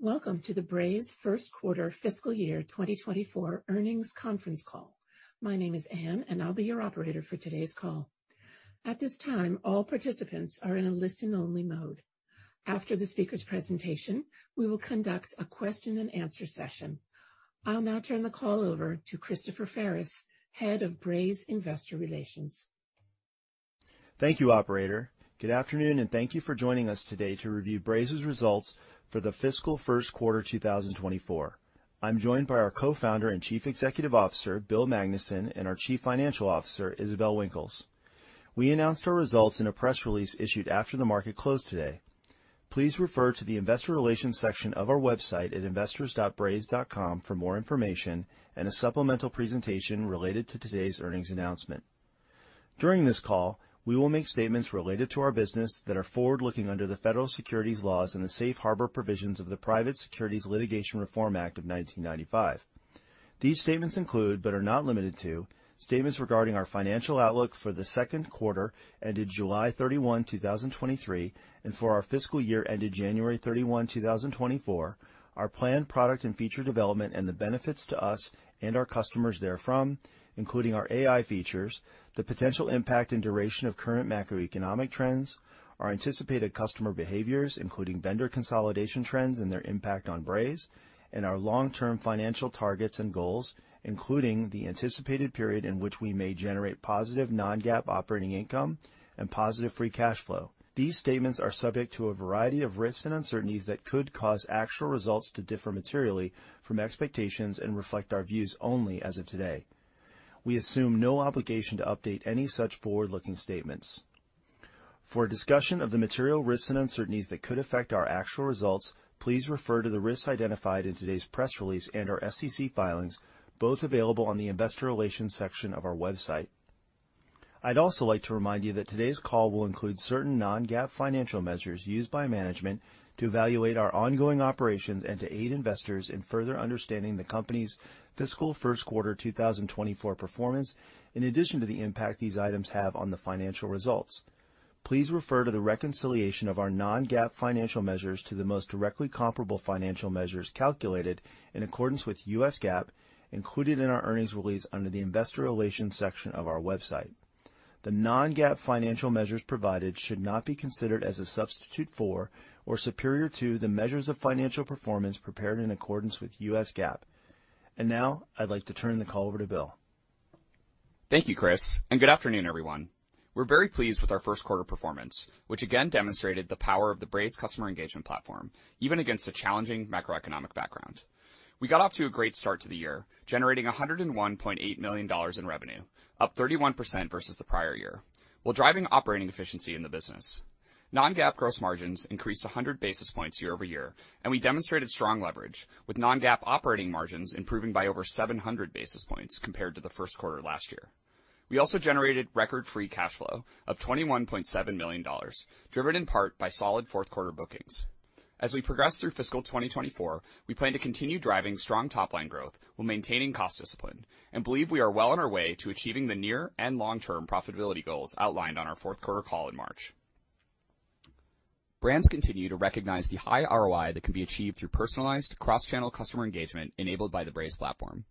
Welcome to the Braze Q1 fiscal year 2024 earnings conference call. My name is Anne, and I'll be your operator for today's call. At this time, all participants are in a listen-only mode. After the speaker's presentation, we will conduct a question and answer session. I'll now turn the call over to Christopher Fares, Head of Braze Investor Relations. Thank you, operator. Good afternoon, and thank you for joining us today to review Braze's results for the fiscal Q1 2024. I'm joined by our Co-Founder and Chief Executive Officer, Bill Magnuson, and our Chief Financial Officer, Isabelle Winkles. We announced our results in a press release issued after the market closed today. Please refer to the investor relations section of our website at investors.braze.com for more information and a supplemental presentation related to today's earnings announcement. During this call, we will make statements related to our business that are forward-looking under the federal securities laws and the safe harbor provisions of the Private Securities Litigation Reform Act of 1995. These statements include, but are not limited to, statements regarding our financial outlook for the Q2 ended July 31, 2023, and for our fiscal year ended January 31, 2024, our planned product and feature development and the benefits to us and our customers therefrom, including our AI features, the potential impact and duration of current macroeconomic trends, our anticipated customer behaviors, including vendor consolidation trends and their impact on Braze, and our long-term financial targets and goals, including the anticipated period in which we may generate positive non-GAAP operating income and positive free cash flow. These statements are subject to a variety of risks and uncertainties that could cause actual results to differ materially from expectations and reflect our views only as of today. We assume no obligation to update any such forward-looking statements. For a discussion of the material risks and uncertainties that could affect our actual results, please refer to the risks identified in today's press release and our SEC filings, both available on the investor relations section of our website. I'd also like to remind you that today's call will include certain non-GAAP financial measures used by management to evaluate our ongoing operations and to aid investors in further understanding the company's fiscal Q1, 2024 performance, in addition to the impact these items have on the financial results. Please refer to the reconciliation of our non-GAAP financial measures to the most directly comparable financial measures calculated in accordance with U.S GAAP, included in our earnings release under the investor relations section of our website. The non-GAAP financial measures provided should not be considered as a substitute for or superior to the measures of financial performance prepared in accordance with US GAAP. Now, I'd like to turn the call over to Bill. Thank you, Chris. Good afternoon, everyone. We're very pleased with our Q1 performance, which again demonstrated the power of the Braze customer engagement platform, even against a challenging macroeconomic background. We got off to a great start to the year, generating $101.8 million in revenue, up 31% versus the prior year, while driving operating efficiency in the business. Non-GAAP gross margins increased 100 basis points year-over-year, and we demonstrated strong leverage, with Non-GAAP operating margins improving by over 700 basis points compared to the Q1 last year. We also generated record free cash flow of $21.7 million, driven in part by solid Q4 bookings. As we progress through fiscal 2024, we plan to continue driving strong top-line growth while maintaining cost discipline and believe we are well on our way to achieving the near and long-term profitability goals outlined on our Q4 call in March. Brands continue to recognize the high ROI that can be achieved through personalized cross-channel customer engagement enabled by the Braze platform.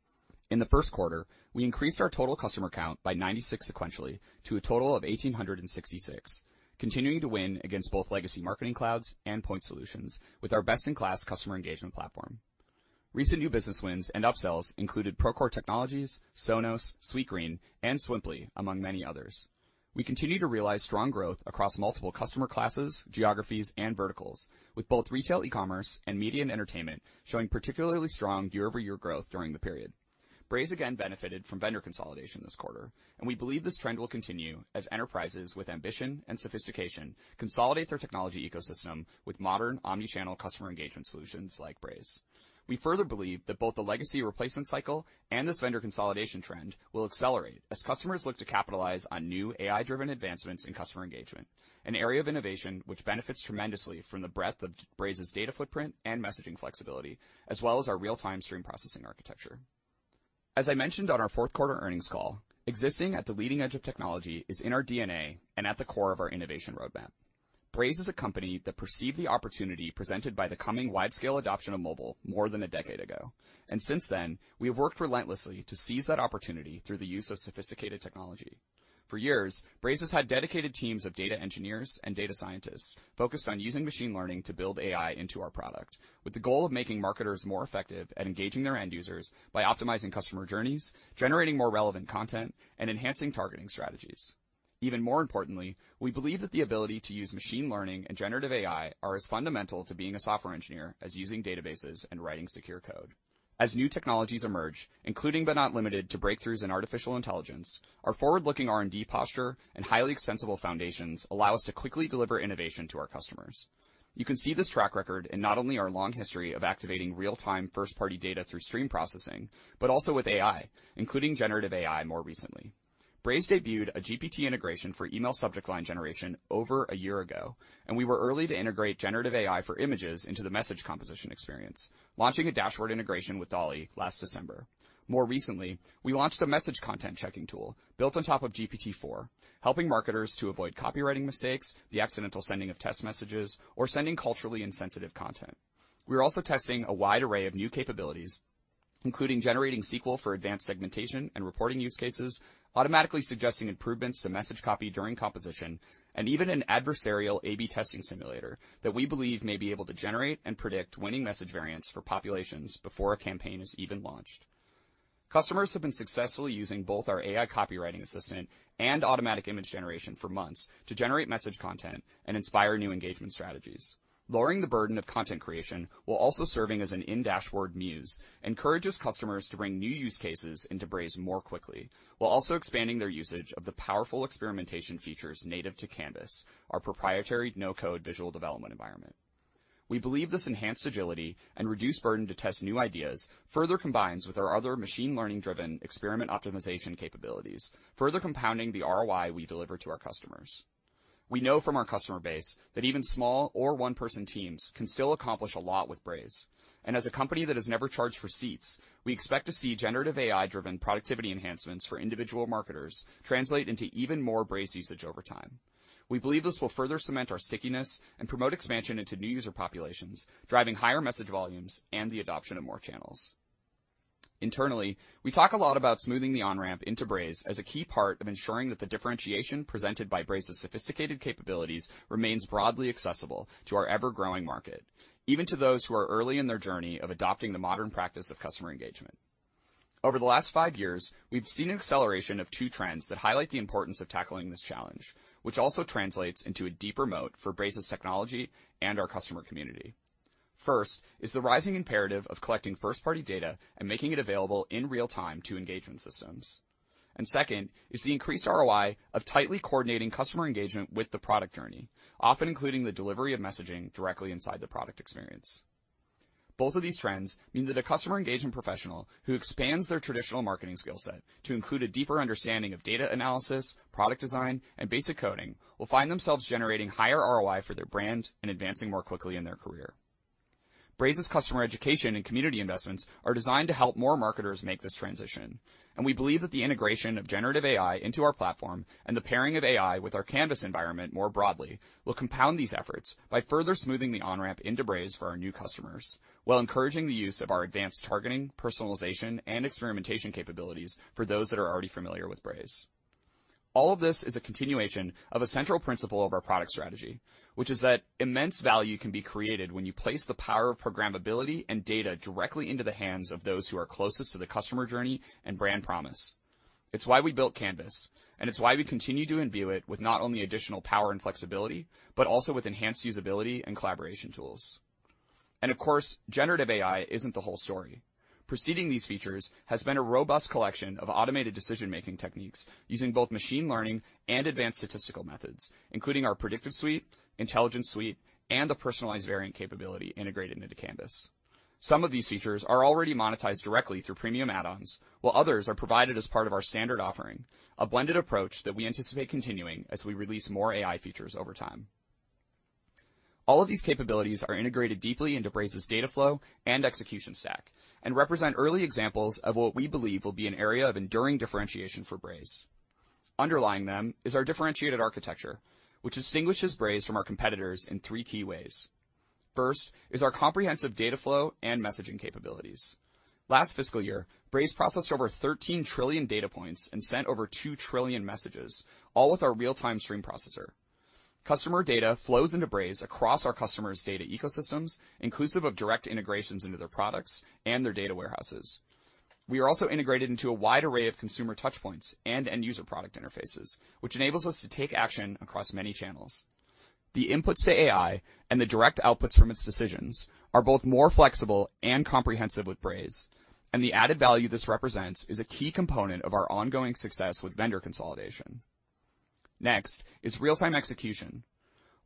In the Q1, we increased our total customer count by 96 sequentially to a total of 1,866, continuing to win against both legacy marketing clouds and point solutions with our best-in-class customer engagement platform. Recent new business wins and upsells included Procore Technologies, Sonos, Sweetgreen, and Swimply, among many others. We continue to realize strong growth across multiple customer classes, geographies, and verticals, with both retail, e-commerce, and media and entertainment showing particularly strong year-over-year growth during the period. Braze again benefited from vendor consolidation this quarter. We believe this trend will continue as enterprises with ambition and sophistication consolidate their technology ecosystem with modern, omni-channel customer engagement solutions like Braze. We further believe that both the legacy replacement cycle and this vendor consolidation trend will accelerate as customers look to capitalize on new AI-driven advancements in customer engagement, an area of innovation which benefits tremendously from the breadth of Braze's data footprint and messaging flexibility, as well as our real-time stream processing architecture. As I mentioned on our Q4 earnings call, existing at the leading edge of technology is in our DNA and at the core of our innovation roadmap. Braze is a company that perceived the opportunity presented by the coming widescale adoption of mobile more than a decade ago. Since then, we have worked relentlessly to seize that opportunity through the use of sophisticated technology. For years, Braze has had dedicated teams of data engineers and data scientists focused on using machine learning to build AI into our product, with the goal of making marketers more effective at engaging their end users by optimizing customer journeys, generating more relevant content, and enhancing targeting strategies. Even more importantly, we believe that the ability to use machine learning and generative AI are as fundamental to being a software engineer as using databases and writing secure code. As new technologies emerge, including but not limited to breakthroughs in artificial intelligence, our forward-looking R&D posture and highly extensible foundations allow us to quickly deliver innovation to our customers. You can see this track record in not only our long history of activating real-time, first-party data through stream processing, but also with AI, including generative AI more recently. We were early to integrate generative AI for images into the message composition experience, launching a dashboard integration with DALL-E last December. More recently, we launched a message content checking tool built on top of GPT-4, helping marketers to avoid copywriting mistakes, the accidental sending of test messages, or sending culturally insensitive content. We are also testing a wide array of new capabilities, including generating SQL for advanced segmentation and reporting use cases, automatically suggesting improvements to message copy during composition, and even an adversarial A/B testing simulator that we believe may be able to generate and predict winning message variants for populations before a campaign is even launched. Customers have been successfully using both our AI copywriting assistant and automatic image generation for months to generate message content and inspire new engagement strategies. Lowering the burden of content creation, while also serving as an in-dashboard muse, encourages customers to bring new use cases into Braze more quickly, while also expanding their usage of the powerful experimentation features native to Canvas, our proprietary no-code visual development environment. We believe this enhanced agility and reduced burden to test new ideas further combines with our other machine learning-driven experiment optimization capabilities, further compounding the ROI we deliver to our customers. We know from our customer base that even small or one-person teams can still accomplish a lot with Braze, and as a company that has never charged for seats, we expect to see generative AI-driven productivity enhancements for individual marketers translate into even more Braze usage over time. We believe this will further cement our stickiness and promote expansion into new user populations, driving higher message volumes and the adoption of more channels. Internally, we talk a lot about smoothing the on-ramp into Braze as a key part of ensuring that the differentiation presented by Braze's sophisticated capabilities remains broadly accessible to our ever-growing market, even to those who are early in their journey of adopting the modern practice of customer engagement. Over the last five years, we've seen an acceleration of two trends that highlight the importance of tackling this challenge, which also translates into a deeper moat for Braze's technology and our customer community. First, is the rising imperative of collecting first-party data and making it available in real time to engagement systems. Second, is the increased ROI of tightly coordinating customer engagement with the product journey, often including the delivery of messaging directly inside the product experience. Both of these trends mean that a customer engagement professional who expands their traditional marketing skill set to include a deeper understanding of data analysis, product design, and basic coding, will find themselves generating higher ROI for their brand and advancing more quickly in their career. Braze's customer education and community investments are designed to help more marketers make this transition. We believe that the integration of generative AI into our platform, and the pairing of AI with our Canvas environment more broadly, will compound these efforts by further smoothing the on-ramp into Braze for our new customers, while encouraging the use of our advanced targeting, personalization, and experimentation capabilities for those that are already familiar with Braze. All of this is a continuation of a central principle of our product strategy, which is that immense value can be created when you place the power of programmability and data directly into the hands of those who are closest to the customer journey and brand promise. It's why we built Canvas, and it's why we continue to imbue it with not only additional power and flexibility, but also with enhanced usability and collaboration tools. Of course, generative AI isn't the whole story. Proceeding these features has been a robust collection of automated decision-making techniques using both machine learning and advanced statistical methods, including our Predictive Suite, Intelligence Suite, and a personalized variant capability integrated into Canvas. Some of these features are already monetized directly through premium add-ons, while others are provided as part of our standard offering, a blended approach that we anticipate continuing as we release more AI features over time. All of these capabilities are integrated deeply into Braze's data flow and execution stack and represent early examples of what we believe will be an area of enduring differentiation for Braze. Underlying them is our differentiated architecture, which distinguishes Braze from our competitors in three key ways. First, is our comprehensive data flow and messaging capabilities. Last fiscal year, Braze processed over 13 trillion data points and sent over two trillion messages, all with our real-time stream processor. Customer data flows into Braze across our customers' data ecosystems, inclusive of direct integrations into their products and their data warehouses. We are also integrated into a wide array of consumer touchpoints and end user product interfaces, which enables us to take action across many channels. The inputs to AI and the direct outputs from its decisions are both more flexible and comprehensive with Braze, and the added value this represents is a key component of our ongoing success with vendor consolidation. Next is real-time execution.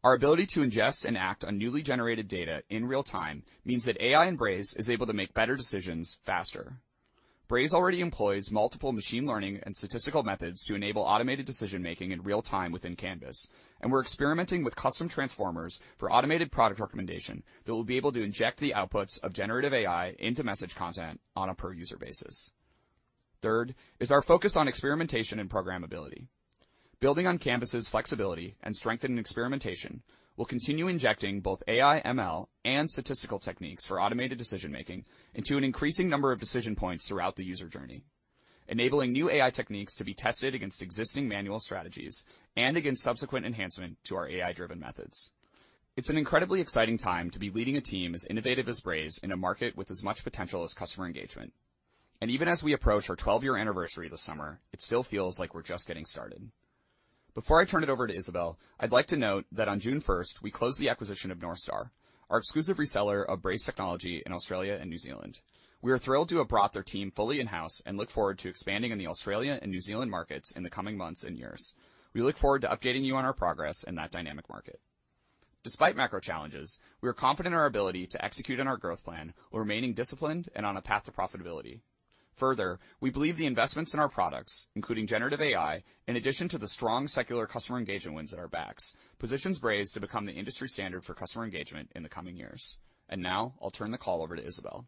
Our ability to ingest and act on newly generated data in real time means that AI and Braze is able to make better decisions faster. Braze already employs multiple machine learning and statistical methods to enable automated decision-making in real time within Canvas, and we're experimenting with custom transformers for automated product recommendation that will be able to inject the outputs of generative AI into message content on a per-user basis. Third, is our focus on experimentation and programmability. Building on Canvas's flexibility and strength in experimentation, we'll continue injecting both AI, ML, and statistical techniques for automated decision-making into an increasing number of decision points throughout the user journey, enabling new AI techniques to be tested against existing manual strategies and against subsequent enhancement to our AI-driven methods. It's an incredibly exciting time to be leading a team as innovative as Braze in a market with as much potential as customer engagement, even as we approach our 12-year anniversary this summer, it still feels like we're just getting started. Before I turn it over to Isabelle, I'd like to note that on June first, we closed the acquisition of North Star, our exclusive reseller of Braze technology in Australia and New Zealand. We are thrilled to have brought their team fully in-house and look forward to expanding in the Australia and New Zealand markets in the coming months and years. We look forward to updating you on our progress in that dynamic market. Despite macro challenges, we are confident in our ability to execute on our growth plan, while remaining disciplined and on a path to profitability. Further, we believe the investments in our products, including generative AI, in addition to the strong secular customer engagement wins at our backs, positions Braze to become the industry standard for customer engagement in the coming years. Now I'll turn the call over to Isabelle.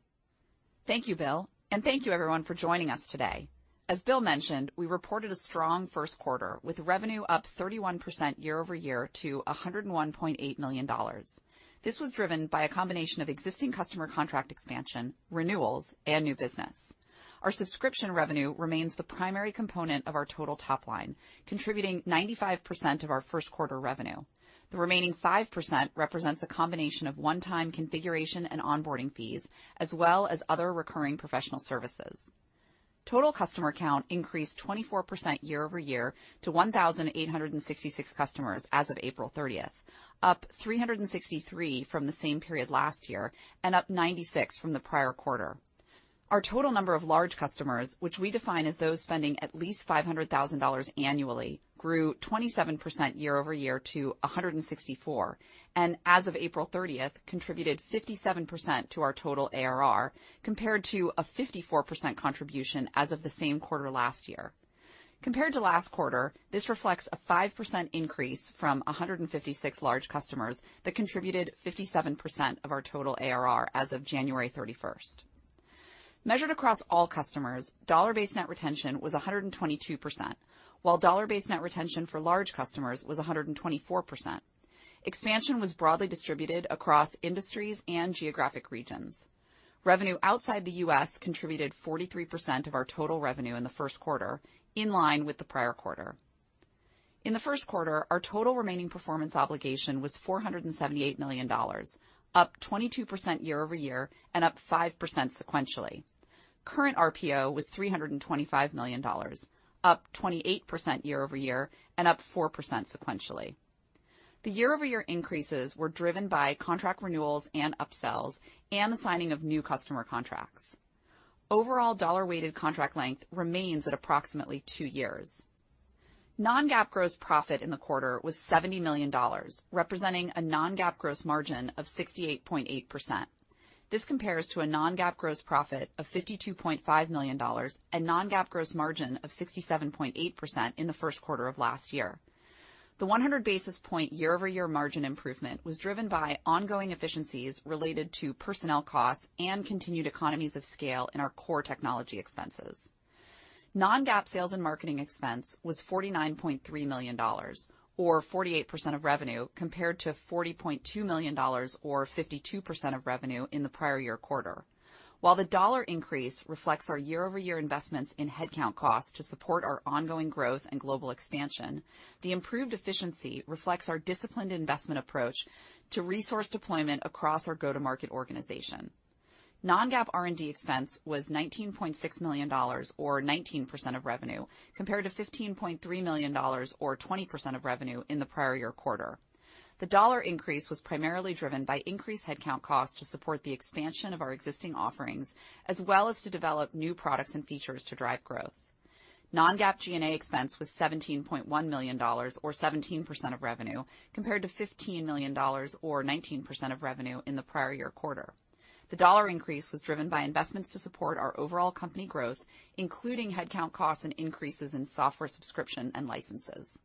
Thank you, Bill, and thank you everyone for joining us today. As Bill mentioned, we reported a strong Q1, with revenue up 31% year-over-year to $101.8 million. This was driven by a combination of existing customer contract expansion, renewals, and new business. Our subscription revenue remains the primary component of our total top line, contributing 95% of our Q1 revenue. The remaining 5% represents a combination of one-time configuration and onboarding fees, as well as other recurring professional services. Total customer count increased 24% year-over-year to 1,866 customers as of April thirtieth, up 363 from the same period last year and up 96 from the prior quarter. Our total number of large customers, which we define as those spending at least $500,000 annually, grew 27% year-over-year to 164, and as of April 30th, contributed 57% to our total ARR, compared to a 54% contribution as of the same quarter last year. Compared to last quarter, this reflects a 5% increase from 156 large customers that contributed 57% of our total ARR as of January 31st. Measured across all customers, dollar-based net retention was 122%, while dollar-based net retention for large customers was 124%. Expansion was broadly distributed across industries and geographic regions. Revenue outside the U.S. contributed 43% of our total revenue in the Q1, in line with the prior quarter. In the Q1, our total remaining performance obligation was $478 million, up 22% year-over-year and up 5% sequentially. Current RPO was $325 million, up 28% year-over-year and up 4% sequentially. The year-over-year increases were driven by contract renewals and upsells and the signing of new customer contracts. Overall, dollar-weighted contract length remains at approximately 2 years. non-GAAP gross profit in the quarter was $70 million, representing a non-GAAP gross margin of 68.8%. This compares to a non-GAAP gross profit of $52.5 million and non-GAAP gross margin of 67.8% in the Q1 of last year. The 100 basis point year-over-year margin improvement was driven by ongoing efficiencies related to personnel costs and continued economies of scale in our core technology expenses. Non-GAAP sales and marketing expense was $49.3 million, or 48% of revenue, compared to $40.2 million, or 52% of revenue, in the prior year quarter. While the dollar increase reflects our year-over-year investments in headcount costs to support our ongoing growth and global expansion, the improved efficiency reflects our disciplined investment approach to resource deployment across our go-to-market organization. Non-GAAP R&D expense was $19.6 million, or 19% of revenue, compared to $15.3 million, or 20% of revenue, in the prior year quarter. The dollar increase was primarily driven by increased headcount costs to support the expansion of our existing offerings, as well as to develop new products and features to drive growth. Non-GAAP G&A expense was $17.1 million, or 17% of revenue, compared to $15 million, or 19% of revenue, in the prior year quarter. The dollar increase was driven by investments to support our overall company growth, including headcount costs and increases in software, subscription, and licenses.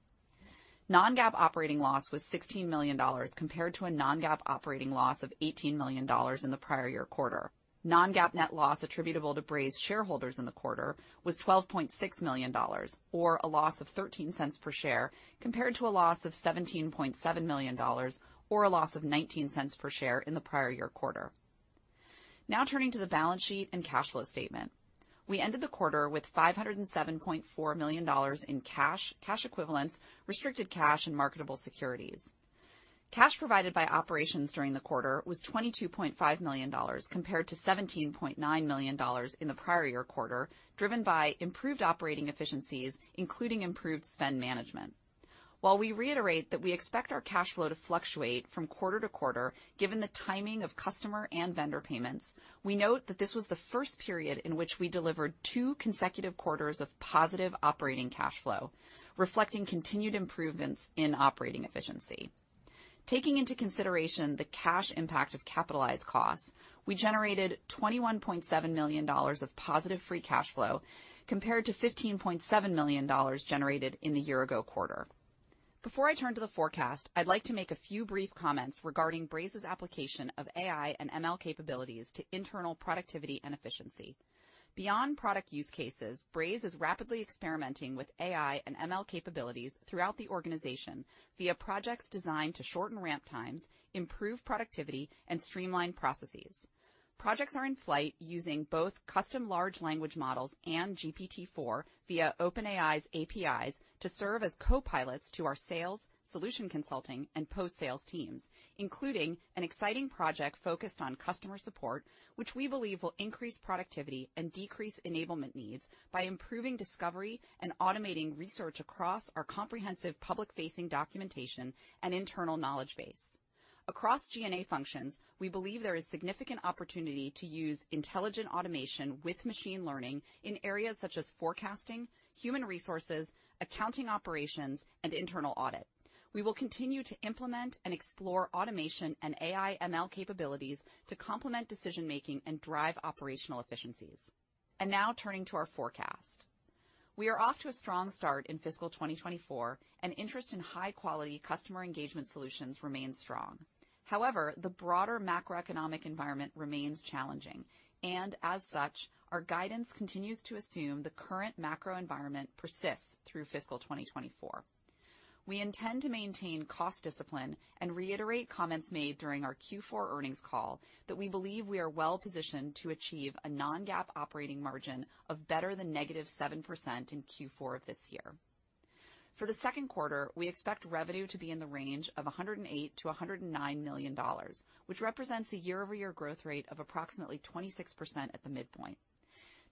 Non-GAAP operating loss was $16 million, compared to a non-GAAP operating loss of $18 million in the prior year quarter. Non-GAAP net loss attributable to Braze shareholders in the quarter was $12.6 million, or a loss of $0.13 per share, compared to a loss of $17.7 million, or a loss of $0.19 per share, in the prior year quarter. Turning to the balance sheet and cash flow statement. We ended the quarter with $507.4 million in cash equivalents, restricted cash, and marketable securities. Cash provided by operations during the quarter was $22.5 million, compared to $17.9 million in the prior year quarter, driven by improved operating efficiencies, including improved spend management. While we reiterate that we expect our cash flow to fluctuate from quarter to quarter, given the timing of customer and vendor payments, we note that this was the first period in which we delivered two consecutive quarters of positive operating cash flow, reflecting continued improvements in operating efficiency. Taking into consideration the cash impact of capitalized costs, we generated $21.7 million of positive free cash flow, compared to $15.7 million generated in the year ago quarter. Before I turn to the forecast, I'd like to make a few brief comments regarding Braze's application of AI and ML capabilities to internal productivity and efficiency. Beyond product use cases, Braze is rapidly experimenting with AI and ML capabilities throughout the organization via projects designed to shorten ramp times, improve productivity, and streamline processes. Projects are in flight using both custom large language models and GPT-4 via OpenAI's APIs to serve as copilots to our sales, solution consulting, and post-sales teams, including an exciting project focused on customer support, which we believe will increase productivity and decrease enablement needs by improving discovery and automating research across our comprehensive public-facing documentation and internal knowledge base. Across G&A functions, we believe there is significant opportunity to use intelligent automation with machine learning in areas such as forecasting, human resources, accounting, operations, and internal audit. We will continue to implement and explore automation and AI ML capabilities to complement decision-making and drive operational efficiencies. Now turning to our forecast. We are off to a strong start in fiscal 2024, and interest in high-quality customer engagement solutions remains strong. However, the broader macroeconomic environment remains challenging, and as such, our guidance continues to assume the current macro environment persists through fiscal 2024. We intend to maintain cost discipline and reiterate comments made during our Q4 earnings call that we believe we are well positioned to achieve a non-GAAP operating margin of better than negative 7% in Q4 of this year. For the Q2, we expect revenue to be in the range of $108 million-$109 million, which represents a year-over-year growth rate of approximately 26% at the midpoint.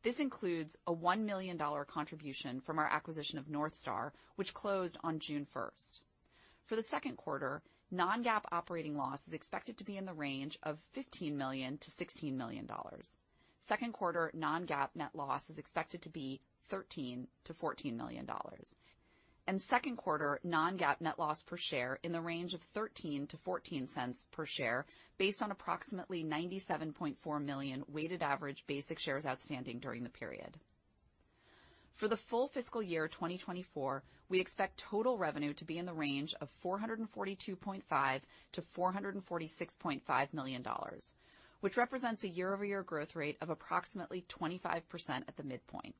This includes a $1 million contribution from our acquisition of North Star, which closed on June 1st. For the Q2, non-GAAP operating loss is expected to be in the range of $15 million-$16 million. Q2 non-GAAP net loss is expected to be $13 million-$14 million, and Q2 non-GAAP net loss per share in the range of $0.13-$0.14 per share, based on approximately 97.4 million weighted average basic shares outstanding during the period. For the full fiscal year 2024, we expect total revenue to be in the range of $442.5 million-$446.5 million, which represents a year-over-year growth rate of approximately 25% at the midpoint.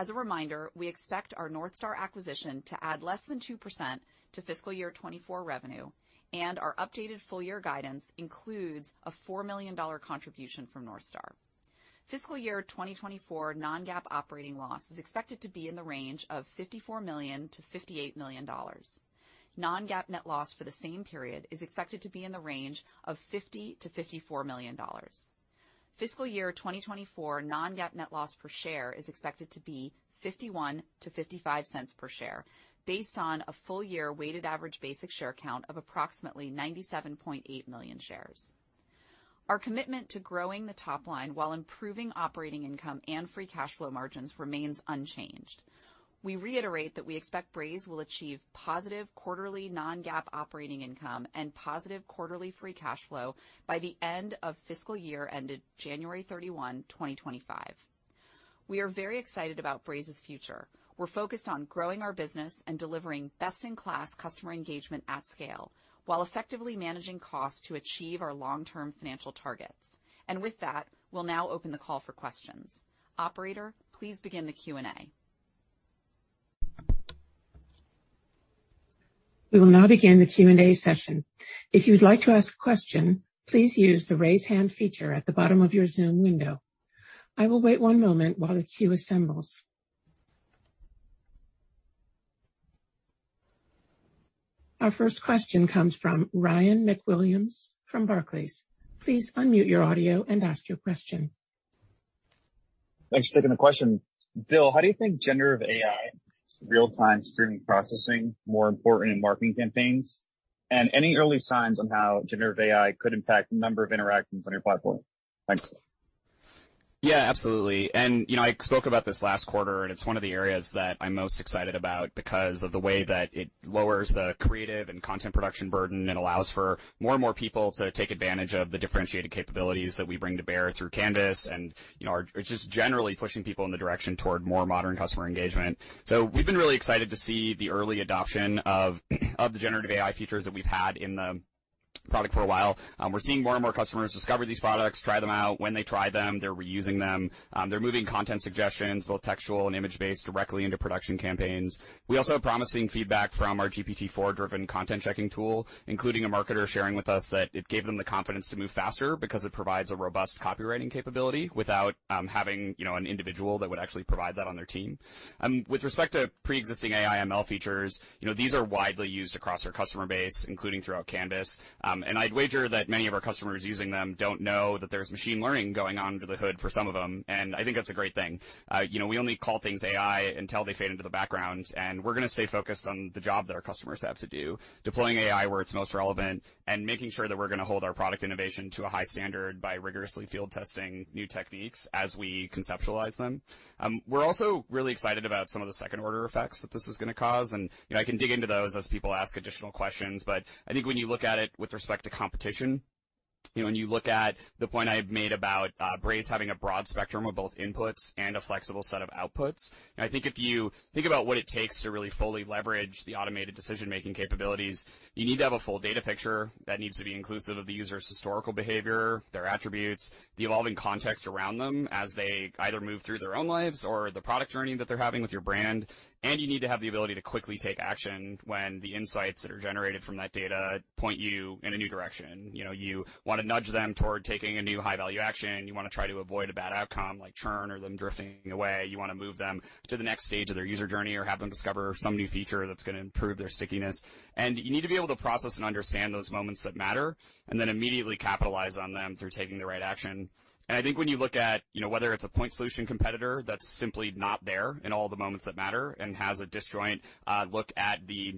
As a reminder, we expect our North Star acquisition to add less than 2% to fiscal year 2024 revenue, and our updated full year guidance includes a $4 million contribution from North Star. Fiscal year 2024 non-GAAP operating loss is expected to be in the range of $54 million-$58 million. non-GAAP net loss for the same period is expected to be in the range of $50 million-$54 million. Fiscal year 2024 non-GAAP net loss per share is expected to be $0.51-$0.55 per share, based on a full-year weighted average basic share count of approximately 97.8 million shares. Our commitment to growing the top line while improving operating income and free cash flow margins remains unchanged. We reiterate that we expect Braze will achieve positive quarterly non-GAAP operating income and positive quarterly free cash flow by the end of fiscal year, ended January 31, 2025. We are very excited about Braze's future. We're focused on growing our business and delivering best-in-class customer engagement at scale, while effectively managing costs to achieve our long-term financial targets. With that, we'll now open the call for questions. Operator, please begin the Q&A. We will now begin the Q&A session. If you'd like to ask a question, please use the Raise Hand feature at the bottom of your Zoom window. I will wait one moment while the queue assembles. Our first question comes from Ryan MacWilliams from Barclays. Please unmute your audio and ask your question. Thanks for taking the question. Bill, how do you think generative AI, real-time streaming processing, more important in marketing campaigns? Any early signs on how generative AI could impact the number of interactions on your platform? Thanks. Yeah, absolutely. You know, I spoke about this last quarter, and it's one of the areas that I'm most excited about because of the way that it lowers the creative and content production burden and allows for more and more people to take advantage of the differentiated capabilities that we bring to bear through Canvas. You know, it's just generally pushing people in the direction toward more modern customer engagement. We've been really excited to see the early adoption of the generative AI features that we've had in the product for a while. We're seeing more and more customers discover these products, try them out. When they try them, they're reusing them. They're moving content suggestions, both textual and image-based, directly into production campaigns. We also have promising feedback from our GPT-4-driven content checking tool, including a marketer sharing with us that it gave them the confidence to move faster because it provides a robust copywriting capability without, you know, an individual that would actually provide that on their team. With respect to preexisting AI ML features, you know, these are widely used across our customer base, including throughout Canvas. I'd wager that many of our customers using them don't know that there's machine learning going on under the hood for some of them, and I think that's a great thing. You know, we only call things AI until they fade into the background, and we're gonna stay focused on the job that our customers have to do, deploying AI where it's most relevant, and making sure that we're gonna hold our product innovation to a high standard by rigorously field testing new techniques as we conceptualize them. We're also really excited about some of the second-order effects that this is gonna cause, and, you know, I can dig into those as people ask additional questions. I think when you look at it with respect to competition, you know, when you look at the point I've made about Braze having a broad spectrum of both inputs and a flexible set of outputs, and I think if you think about what it takes to really fully leverage the automated decision-making capabilities, you need to have a full data picture that needs to be inclusive of the user's historical behavior, their attributes, the evolving context around them as they either move through their own lives or the product journey that they're having with your brand, and you need to have the ability to quickly take action when the insights that are generated from that data point you in a new direction. You know, you want to nudge them toward taking a new high-value action. You want to try to avoid a bad outcome, like churn or them drifting away. You want to move them to the next stage of their user journey or have them discover some new feature that's gonna improve their stickiness. You need to be able to process and understand those moments that matter, and then immediately capitalize on them through taking the right action. I think when you look at, you know, whether it's a point solution competitor, that's simply not there in all the moments that matter and has a disjoint look at the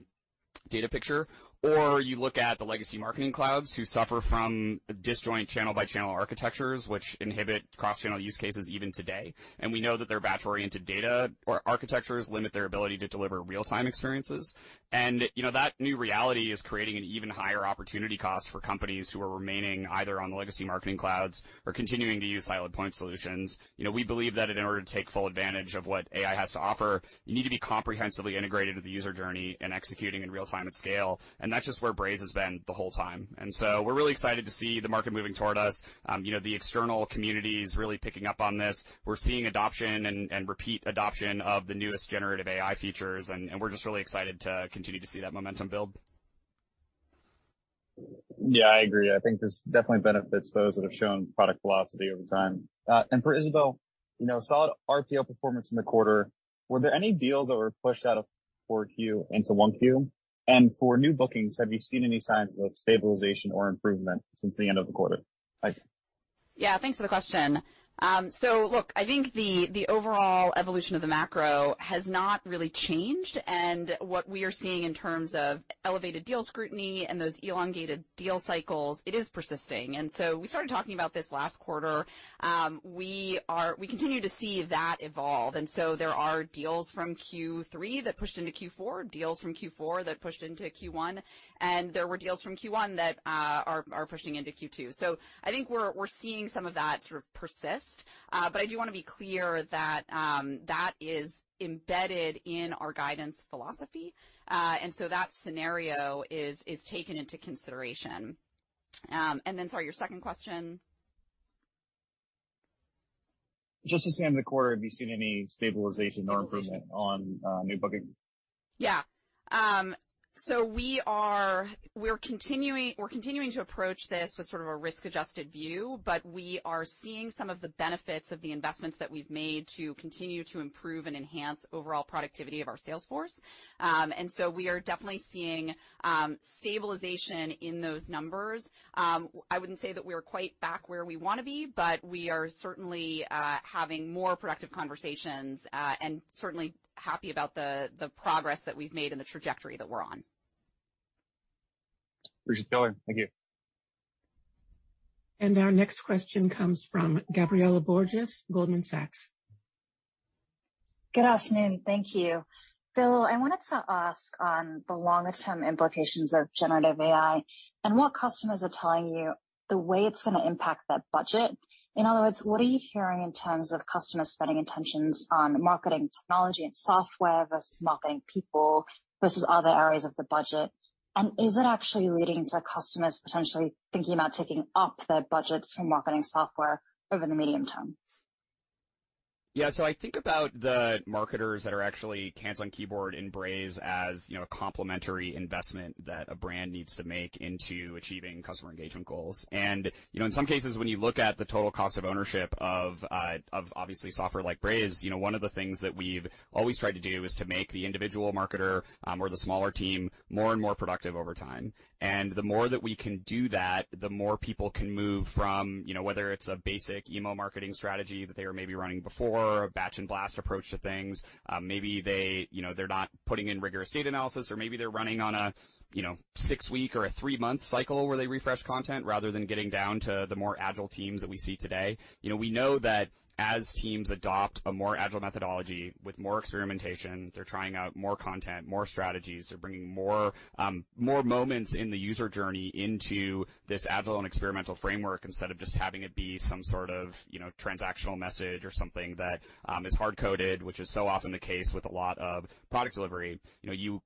data picture, or you look at the legacy marketing clouds, who suffer from disjoint channel-by-channel architectures, which inhibit cross-channel use cases even today. We know that their batch-oriented data or architectures limit their ability to deliver real-time experiences. You know, that new reality is creating an even higher opportunity cost for companies who are remaining either on the legacy marketing clouds or continuing to use siloed point solutions. You know, we believe that in order to take full advantage of what AI has to offer, you need to be comprehensively integrated into the user journey and executing in real time at scale, and that's just where Braze has been the whole time. We're really excited to see the market moving toward us. You know, the external community is really picking up on this. We're seeing adoption and repeat adoption of the newest generative AI features, and we're just really excited to continue to see that momentum build. Yeah, I agree. I think this definitely benefits those that have shown product velocity over time. For Isabelle, you know, solid RPO performance in the quarter, were there any deals that were pushed out of 4Q into 1Q? For new bookings, have you seen any signs of stabilization or improvement since the end of the quarter? Thanks. Yeah, thanks for the question. Look, I think the overall evolution of the macro has not really changed, and what we are seeing in terms of elevated deal scrutiny and those elongated deal cycles, it is persisting. We started talking about this last quarter. We continue to see that evolve, there are deals from Q3 that pushed into Q4, deals from Q4 that pushed into Q1, and there were deals from Q1 that are pushing into Q2. I think we're seeing some of that sort of persist. I do want to be clear that that is embedded in our guidance philosophy, that scenario is taken into consideration. Sorry, your second question? Just to stay in the quarter, have you seen any stabilization or improvement? Stabilization on, new bookings? Yeah. We're continuing to approach this with sort of a risk-adjusted view, but we are seeing some of the benefits of the investments that we've made to continue to improve and enhance overall productivity of our sales force. We are definitely seeing stabilization in those numbers. I wouldn't say that we are quite back where we want to be, but we are certainly having more productive conversations and certainly happy about the progress that we've made and the trajectory that we're on. Appreciate it, Isabelle. Thank you. Our next question comes from Gabriela Borges, Goldman Sachs. Good afternoon. Thank you. Bill, I wanted to ask on the long-term implications of generative AI and what customers are telling you the way it's going to impact their budget. In other words, what are you hearing in terms of customer spending intentions on marketing technology and software versus marketing people versus other areas of the budget? Is it actually leading to customers potentially thinking about taking up their budgets from marketing software over the medium term? Yeah, I think about the marketers that are actually canceling keyboard in Braze as, you know, a complementary investment that a brand needs to make into achieving customer engagement goals. You know, in some cases, when you look at the total cost of ownership of obviously software like Braze, you know, one of the things that we've always tried to do is to make the individual marketer, or the smaller team, more and more productive over time. The more that we can do that, the more people can move from, you know, whether it's a basic email marketing strategy that they were maybe running before, a batch and blast approach to things. Maybe they, you know, they're not putting in rigorous data analysis, or maybe they're running on a, you know, six-week or a three-month cycle where they refresh content rather than getting down to the more agile teams that we see today. You know, we know that as teams adopt a more agile methodology with more experimentation, they're trying out more content, more strategies. They're bringing more, more moments in the user journey into this agile and experimental framework instead of just having it be some sort of, you know, transactional message or something that is hard-coded, which is so often the case with a lot of product delivery. You know,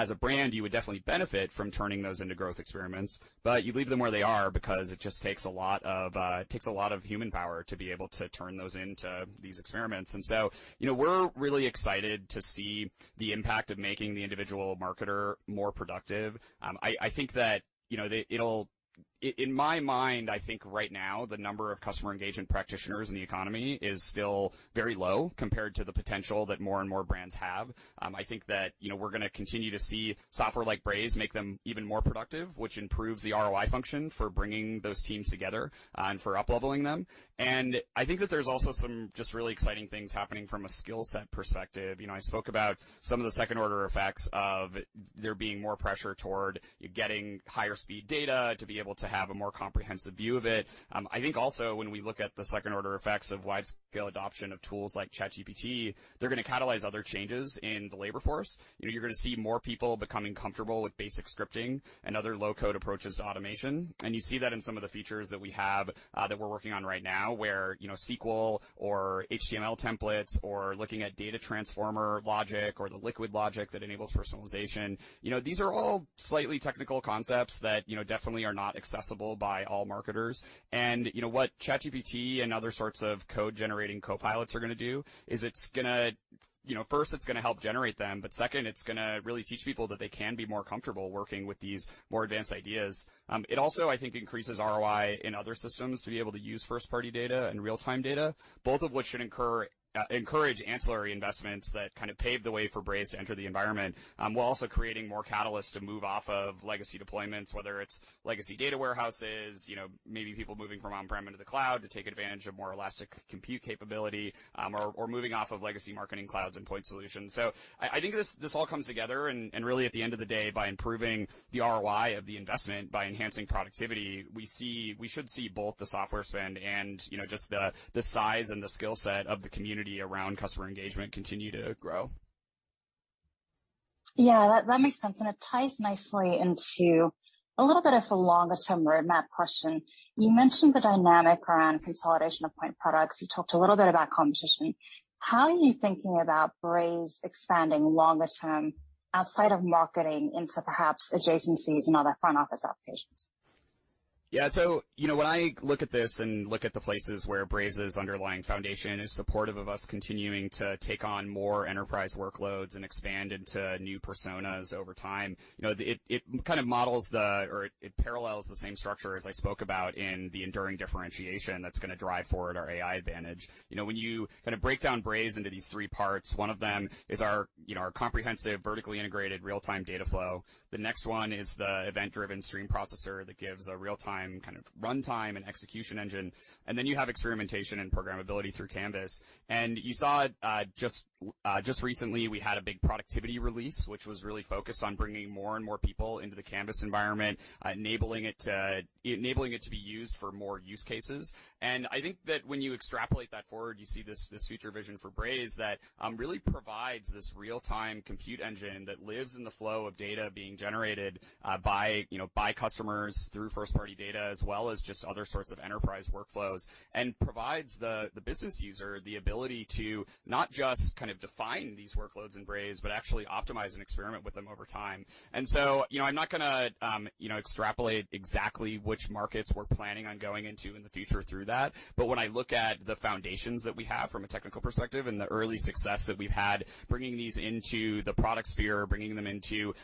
as a brand, you would definitely benefit from turning those into growth experiments, but you leave them where they are because it just takes a lot of human power to be able to turn those into these experiments. You know, we're really excited to see the impact of making the individual marketer more productive. I think that, you know, in my mind, I think right now, the number of customer engagement practitioners in the economy is still very low compared to the potential that more and more brands have. I think that, you know, we're going to continue to see software like Braze make them even more productive, which improves the ROI function for bringing those teams together and for upleveling them. I think that there's also some just really exciting things happening from a skill set perspective. You know, I spoke about some of the second-order effects of there being more pressure toward you getting higher speed data to be able to have a more comprehensive view of it. I think also when we look at the second-order effects of widescale adoption of tools like ChatGPT, they're going to catalyze other changes in the labor force. You know, you're going to see more people becoming comfortable with basic scripting and other low-code approaches to automation, and you see that in some of the features that we have that we're working on right now, where, you know, SQL or HTML templates or looking at data transformer logic or the liquid logic that enables personalization. You know, these are all slightly technical concepts that, you know, definitely are not accessible by all marketers. You know, what ChatGPT and other sorts of code-generating copilots are going to do is You know, first, it's going to help generate them, but second, it's going to really teach people that they can be more comfortable working with these more advanced ideas. It also, I think, increases ROI in other systems to be able to use first-party data and real-time data, both of which should encourage ancillary investments that kind of pave the way for Braze to enter the environment, while also creating more catalysts to move off of legacy deployments, whether it's legacy data warehouses, you know, maybe people moving from on-prem into the cloud to take advantage of more elastic compute capability, or moving off of legacy marketing clouds and point solutions. I think this all comes together, and really, at the end of the day, by improving the ROI of the investment, by enhancing productivity, we should see both the software spend and, you know, just the size and the skill set of the community around customer engagement continue to grow. Yeah, that makes sense. It ties nicely into a little bit of a longer term roadmap question. You mentioned the dynamic around consolidation of point products. You talked a little bit about competition. How are you thinking about Braze expanding longer term outside of marketing into perhaps adjacencies and other front office applications? You know, when I look at this and look at the places where Braze's underlying foundation is supportive of us continuing to take on more enterprise workloads and expand into new personas over time, you know, it kind of models the or it parallels the same structure as I spoke about in the enduring differentiation that's gonna drive forward our AI advantage. You know, when you kind of break down Braze into these three parts, one of them is our, you know, our comprehensive, vertically integrated, real-time data flow. The next one is the event-driven stream processor that gives a real-time kind of runtime and execution engine. Then you have experimentation and programmability through Canvas. You saw it just recently, we had a big productivity release, which was really focused on bringing more and more people into the Canvas environment, enabling it to be used for more use cases. I think that when you extrapolate that forward, you see this future vision for Braze that really provides this real-time compute engine that lives in the flow of data being generated by customers through first-party data, as well as just other sorts of enterprise workflows, and provides the business user the ability to not just kind of define these workloads in Braze, but actually optimize and experiment with them over time. You know, I'm not gonna, you know, extrapolate exactly which markets we're planning on going into in the future through that. When I look at the foundations that we have from a technical perspective and the early success that we've had, bringing these into the product sphere, bringing them into,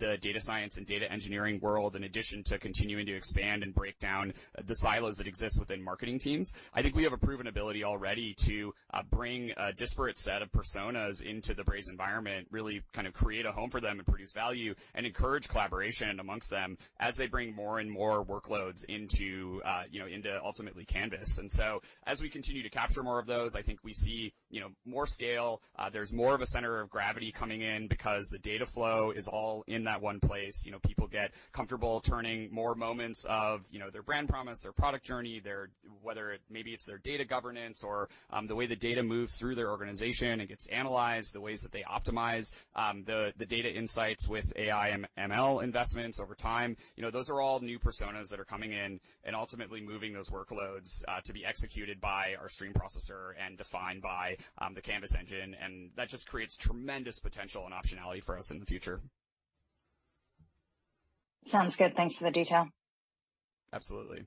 the data science and data engineering world, in addition to continuing to expand and break down the silos that exist within marketing teams, I think we have a proven ability already to bring a disparate set of personas into the Braze environment, really kind of create a home for them and produce value, and encourage collaboration amongst them as they bring more and more workloads into, you know, into ultimately Canvas. As we continue to capture more of those, I think we see, you know, more scale. There's more of a center of gravity coming in because the data flow is all in that one place. You know, people get comfortable turning more moments of, you know, their brand promise, their product journey, whether it maybe it's their data governance or the way the data moves through their organization and gets analyzed, the ways that they optimize the data insights with AI and ML investments over time. You know, those are all new personas that are coming in and ultimately moving those workloads to be executed by our stream processor and defined by the Canvas engine, and that just creates tremendous potential and optionality for us in the future. Sounds good. Thanks for the detail. Absolutely.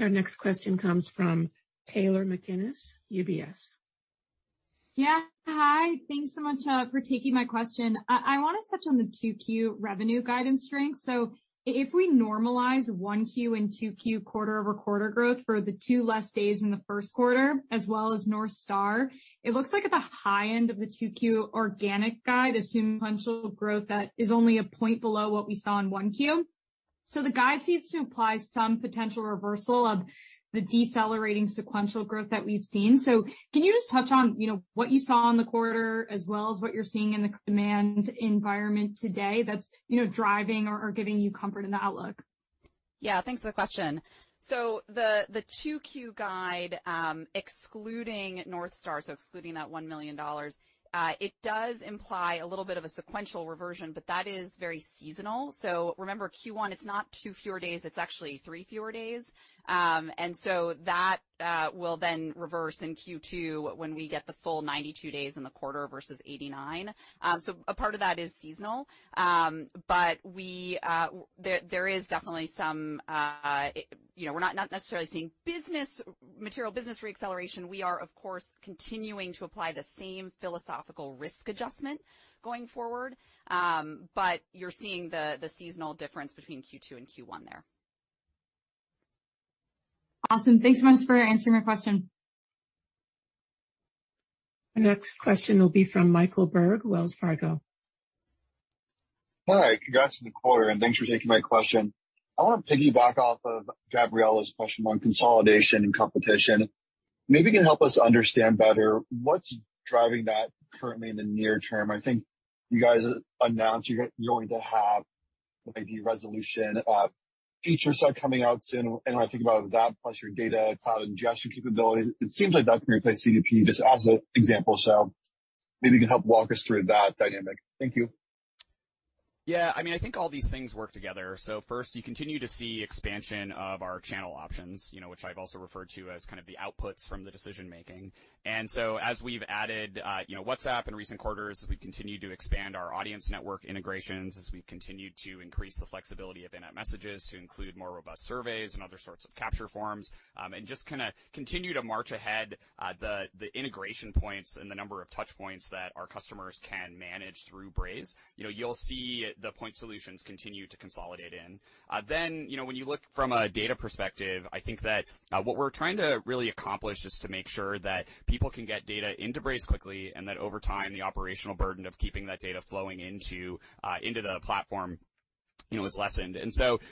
Our next question comes from Taylor McGinnis, UBS. Yeah. Hi. Thanks so much for taking my question. I want to touch on the 2Q revenue guidance strength. If we normalize 1Q and 2Q quarter-over-quarter growth for the two less days in the Q1, as well as North Star, it looks like at the high end of the 2Q organic guide, a sequential growth that is only a point below what we saw in 1Q. The guide seems to apply some potential reversal of the decelerating sequential growth that we've seen. Can you just touch on, you know, what you saw in the quarter, as well as what you're seeing in the demand environment today that is, you know, driving or giving you comfort in the outlook? Yeah, thanks for the question. The 2Q guide, excluding North Star, excluding that $1 million, it does imply a little bit of a sequential reversion, but that is very seasonal. Remember, Q1, it's not 2 fewer days, it's actually 3 fewer days. That will then reverse in Q2 when we get the full 92 days in the quarter versus 89. A part of that is seasonal. We, there is definitely some, you know, we're not necessarily seeing material business reacceleration. We are, of course, continuing to apply the same philosophical risk adjustment going forward. You're seeing the seasonal difference between Q2 and Q1 there. Awesome. Thanks so much for answering my question. The next question will be from Michael Berg, Wells Fargo. Hi, congrats on the quarter, and thanks for taking my question. I want to piggyback off of Gabriella's question on consolidation and competition. Maybe you can help us understand better what's driving that currently in the near term. I think you guys announced you're going to have maybe recommendation features that are coming out soon, and I think about that plus your data cloud ingestion capabilities, it seems like that can replace CDP, just as an example, so maybe you can help walk us through that dynamic. Thank you. Yeah, I mean, I think all these things work together. First, you continue to see expansion of our channel options, you know, which I've also referred to as kind of the outputs from the decision making. As we've added, you know, WhatsApp in recent quarters, we've continued to expand our audience network integrations as we've continued to increase the flexibility of in-app messages to include more robust surveys and other sorts of capture forms. Just kind of continue to march ahead, the integration points and the number of touch points that our customers can manage through Braze. You know, you'll see the point solutions continue to consolidate in. You know, when you look from a data perspective, I think that, what we're trying to really accomplish is to make sure that people can get data into Braze quickly, and that over time, the operational burden of keeping that data flowing into the platform, you know, is lessened.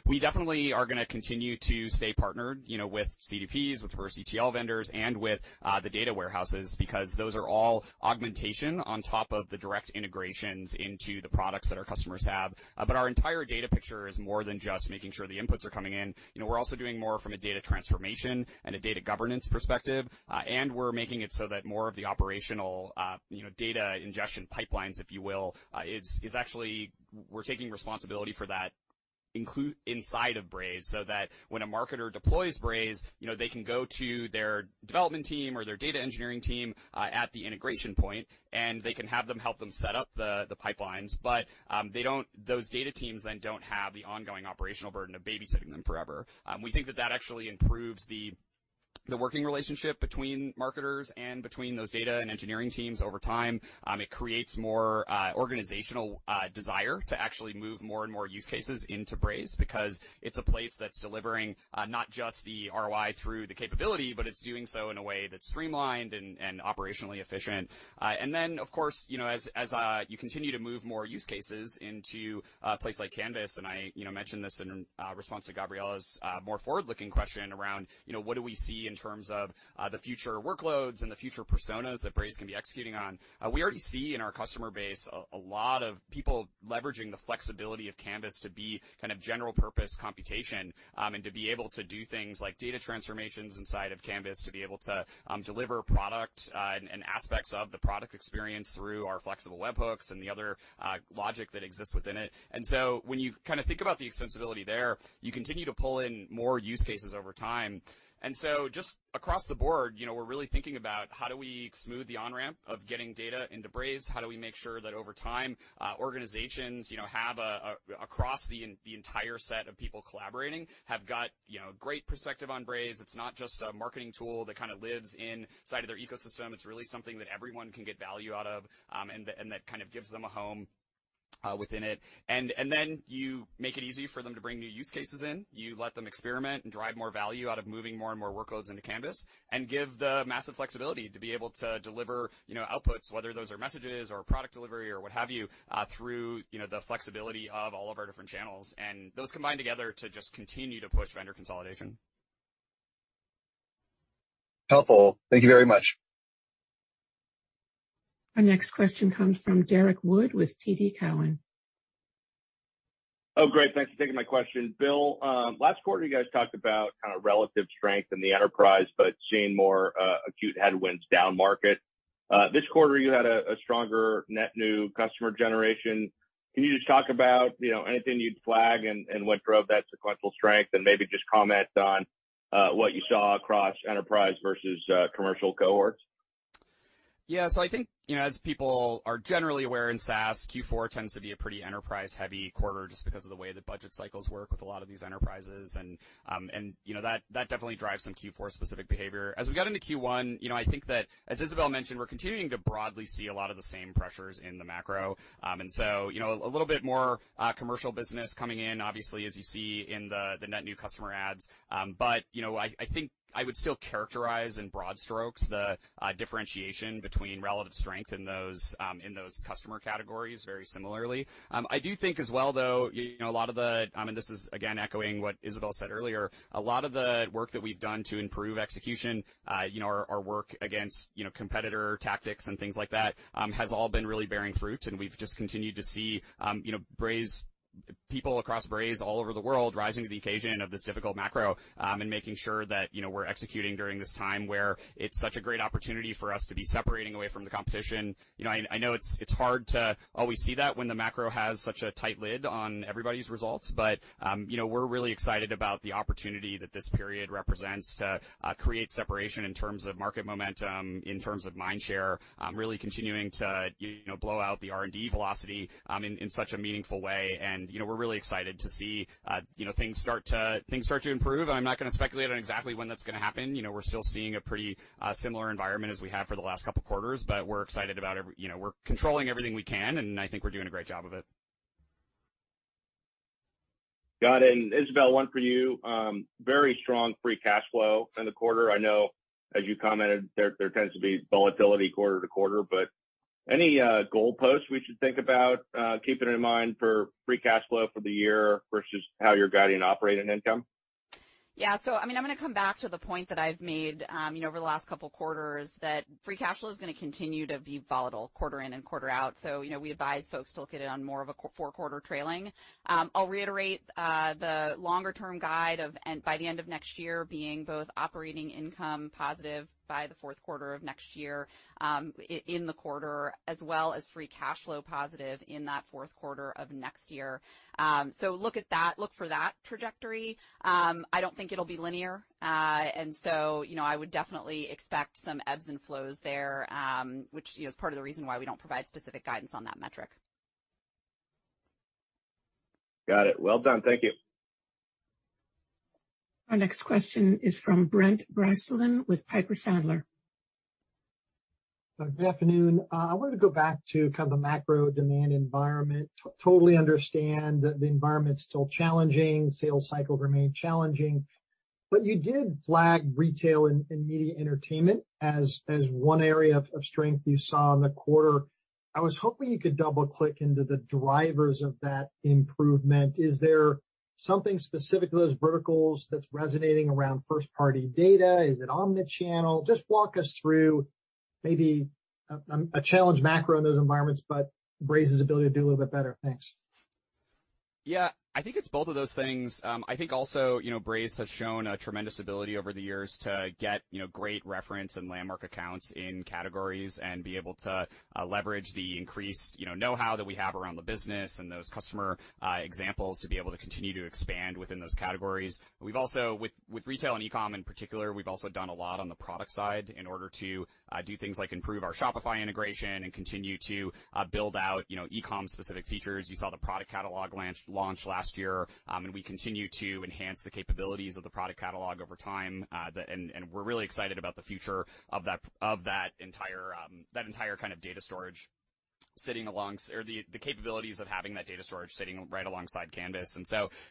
We definitely are gonna continue to stay partnered, you know, with CDPs, with first CDI vendors, and with, the data warehouses, because those are all augmentation on top of the direct integrations into the products that our customers have. Our entire data picture is more than just making sure the inputs are coming in. You know, we're also doing more from a data transformation and a data governance perspective, and we're making it so that more of the operational, you know, data ingestion pipelines, if you will, is actually include inside of Braze, so that when a marketer deploys Braze, you know, they can go to their development team or their data engineering team, at the integration point, and they can have them help them set up the pipelines. Those data teams then don't have the ongoing operational burden of babysitting them forever. We think that that actually improves the working relationship between marketers and between those data and engineering teams over time. It creates more organizational desire to actually move more and more use cases into Braze, because it's a place that's delivering not just the ROI through the capability, but it's doing so in a way that's streamlined and operationally efficient. And then, of course, you know, as you continue to move more use cases into a place like Canvas, and I, you know, mentioned this in response to Gabriella's more forward-looking question around, you know, what do we see in terms of the future workloads and the future personas that Braze can be executing on? We already see in our customer base a lot of people leveraging the flexibility of Canvas to be kind of general purpose computation, and to be able to do things like data transformations inside of Canvas, to be able to deliver product and aspects of the product experience through our flexible webhooks and the other logic that exists within it. When you kind of think about the extensibility there, you continue to pull in more use cases over time. Just across the board, you know, we're really thinking about how do we smooth the on-ramp of getting data into Braze? How do we make sure that over time, organizations, you know, have across the entire set of people collaborating, have got, you know, great perspective on Braze? It's not just a marketing tool that kind of lives inside of their ecosystem. It's really something that everyone can get value out of, and that, and that kind of gives them a home within it. Then you make it easy for them to bring new use cases in. You let them experiment and derive more value out of moving more and more workloads into Canvas, and give the massive flexibility to be able to deliver, you know, outputs, whether those are messages or product delivery or what have you, through, you know, the flexibility of all of our different channels. Those combine together to just continue to push vendor consolidation. Helpful. Thank you very much. Our next question comes from Derrick Wood with TD Cowen. Great. Thanks for taking my question, Bill. Last quarter, you guys talked about kind of relative strength in the enterprise, but seeing more acute headwinds downmarket. This quarter, you had a stronger net new customer generation. Can you just talk about, you know, anything you'd flag and what drove that sequential strength? Maybe just comment on what you saw across enterprise versus commercial cohorts. Yeah. I think, you know, as people are generally aware, in SaaS, Q4 tends to be a pretty enterprise-heavy quarter just because of the way the budget cycles work with a lot of these enterprises. You know, that definitely drives some Q4 specific behavior. As we got into Q1, you know, I think that, as Isabelle mentioned, we're continuing to broadly see a lot of the same pressures in the macro. You know, a little bit more commercial business coming in, obviously, as you see in the net new customer adds. You know, I think I would still characterize in broad strokes the differentiation between relative strength in those customer categories very similarly. I do think as well, though, you know, a lot of the... This is again echoing what Isabelle said earlier, a lot of the work that we've done to improve execution, you know, our work against, you know, competitor tactics and things like that, has all been really bearing fruit, and we've just continued to see, you know, people across Braze all over the world rising to the occasion of this difficult macro, and making sure that, you know, we're executing during this time where it's such a great opportunity for us to be separating away from the competition. You know, I know it's hard to always see that when the macro has such a tight lid on everybody's results, but, you know, we're really excited about the opportunity that this period represents to create separation in terms of market momentum, in terms of mind share, really continuing to, you know, blow out the R&D velocity in such a meaningful way. You know, we're really excited to see, you know, things start to improve. I'm not gonna speculate on exactly when that's gonna happen. You know, we're still seeing a pretty, similar environment as we have for the last couple of quarters, but we're excited about You know, we're controlling everything we can, and I think we're doing a great job of it. Got it. Isabelle, one for you. Very strong free cash flow in the quarter. I know as you commented, there tends to be volatility quarter to quarter, any goalposts we should think about keeping in mind for free cash flow for the year versus how you're guiding operating income? Yeah. I mean, I'm gonna come back to the point that I've made, you know, over the last couple of quarters, that free cash flow is gonna continue to be volatile quarter in and quarter out. You know, we advise folks to look at it on more of a four quarter trailing. I'll reiterate the longer term guide of by the end of next year, being both operating income positive by the Q4 of next year, in the quarter, as well as free cash flow positive in that Q4 of next year. Look for that trajectory. I don't think it'll be linear. You know, I would definitely expect some ebbs and flows there, which, you know, is part of the reason why we don't provide specific guidance on that metric. Got it. Well done. Thank you. Our next question is from Brent Bracelin with Piper Sandler. Good afternoon. I wanted to go back to kind of the macro demand environment. Totally understand that the environment's still challenging, sales cycle remain challenging, but you did flag retail and media entertainment as one area of strength you saw in the quarter. I was hoping you could double-click into the drivers of that improvement. Is there something specific to those verticals that's resonating around first-party data? Is it omnichannel? Just walk us through maybe a challenge macro in those environments, but Braze's ability to do a little bit better. Thanks. Yeah, I think it's both of those things. I think also, you know, Braze has shown a tremendous ability over the years to get, you know, great reference and landmark accounts in categories and be able to leverage the increased, you know-how that we have around the business and those customer examples, to be able to continue to expand within those categories. We've also with retail and e-com in particular, we've also done a lot on the product side in order to do things like improve our Shopify integration and continue to build out, you know, e-com specific features. You saw the product Catalogs launch last year, and we continue to enhance the capabilities of the product Catalogs over time. We're really excited about the future of that, of that entire, that entire kind of data storage sitting along or the capabilities of having that data storage sitting right alongside Canvas.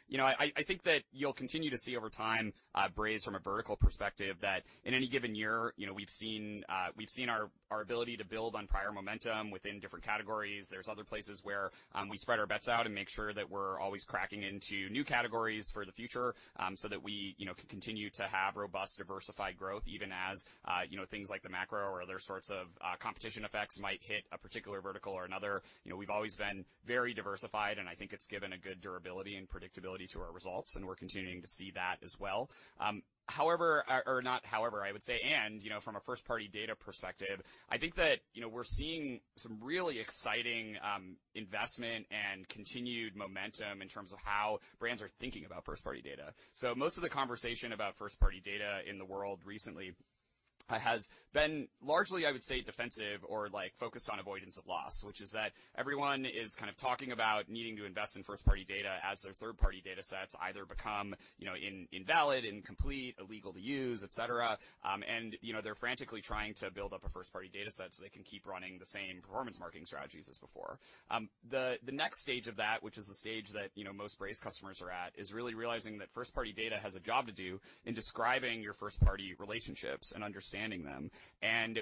You know, I think that you'll continue to see over time, Braze from a vertical perspective, that in any given year, you know, we've seen our ability to build on prior momentum within different categories. There's other places where we spread our bets out and make sure that we're always cracking into new categories for the future, so that we, you know, can continue to have robust, diversified growth, even as, you know, things like the macro or other sorts of competition effects might hit a particular vertical or another. You know, we've always been very diversified, and I think it's given a good durability and predictability to our results, and we're continuing to see that as well. Not however, I would say, and, you know, from a first-party data perspective, I think that, you know, we're seeing some really exciting investment and continued momentum in terms of how brands are thinking about first-party data. Most of the conversation about first-party data in the world recently has been largely, I would say, defensive or like focused on avoidance of loss, which is that everyone is kind of talking about needing to invest in first-party data as their third-party data sets either become, you know, in-invalid, incomplete, illegal to use, et cetera. You know, they're frantically trying to build up a first-party data set so they can keep running the same performance marketing strategies as before. The next stage of that, which is the stage that, you know, most Braze customers are at, is really realizing that first-party data has a job to do in describing your first-party relationships and understanding them.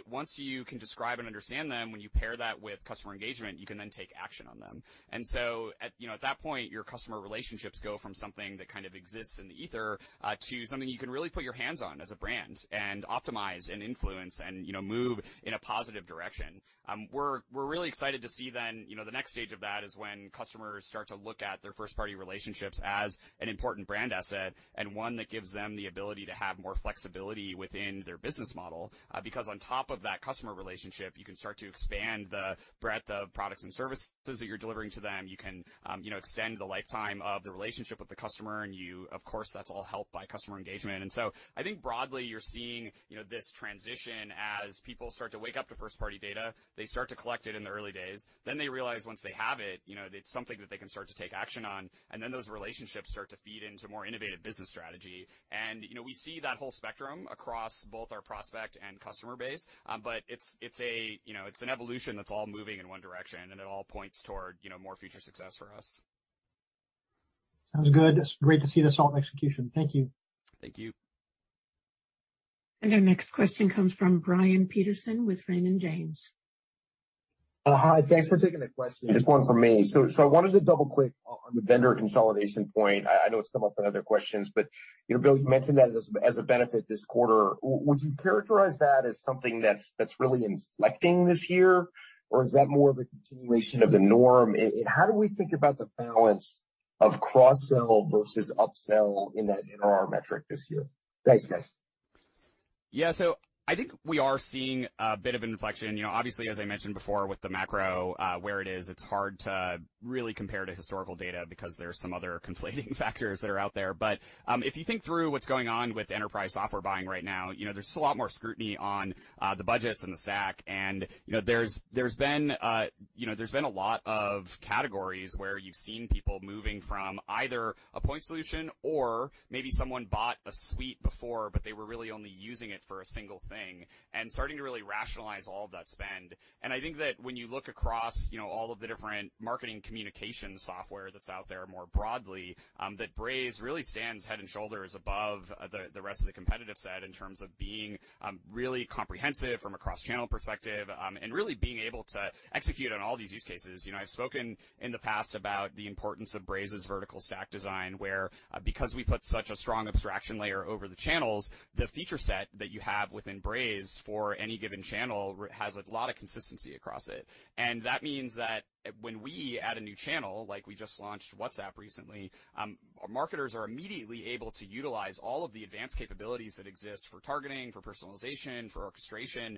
Once you can describe and understand them, when you pair that with customer engagement, you can then take action on them. At, you know, at that point, your customer relationships go from something that kind of exists in the ether, to something you can really put your hands on as a brand and optimize and influence and, you know, move in a positive direction. We're really excited to see then, you know, the next stage of that is when customers start to look at their first-party relationships as an important brand asset, and one that gives them the ability to have more flexibility within their business model. Because on top of that customer relationship, you can start to expand the breadth of products and services that you're delivering to them. You can, you know, extend the lifetime of the relationship with the customer, and of course, that's all helped by customer engagement. I think broadly, you're seeing, you know, this transition as people start to wake up to first-party data, they start to collect it in the early days, then they realize once they have it, you know, it's something that they can start to take action on, and then those relationships start to feed into more innovative business strategy. You know, we see that whole spectrum across both our prospect and customer base. It's a, you know, it's an evolution that's all moving in one direction, and it all points toward, you know, more future success for us. Sounds good. It's great to see the solid execution. Thank you. Thank you. Our next question comes from Brian Peterson with Raymond James. Hi, thanks for taking the question. Just one from me. I wanted to double-click on the vendor consolidation point. I know it's come up in other questions, but, you know, Bill, you mentioned that as a benefit this quarter. Would you characterize that as something that's really inflecting this year, or is that more of a continuation of the norm? How do we think about the balance of cross-sell versus upsell in that ARR metric this year? Thanks, guys. I think we are seeing a bit of an inflection. You know, obviously, as I mentioned before, with the macro, where it is, it's hard to really compare to historical data because there are some other conflating factors that are out there. If you think through what's going on with enterprise software buying right now, you know, there's a lot more scrutiny on the budgets and the stack, and, you know, there's been a lot of categories where you've seen people moving from either a point solution or maybe someone bought a suite before, but they were really only using it for a single thing, and starting to really rationalize all of that spend. I think that when you look across, you know, all of the different marketing communication software that's out there more broadly, that Braze really stands head and shoulders above the rest of the competitive set in terms of being really comprehensive from a cross-channel perspective, and really being able to execute on all these use cases. You know, I've spoken in the past about the importance of Braze's vertical stack design, where because we put such a strong abstraction layer over the channels, the feature set that you have within Braze for any given channel has a lot of consistency across it. That means that when we add a new channel, like we just launched WhatsApp recently, our marketers are immediately able to utilize all of the advanced capabilities that exist for targeting, for personalization, for orchestration,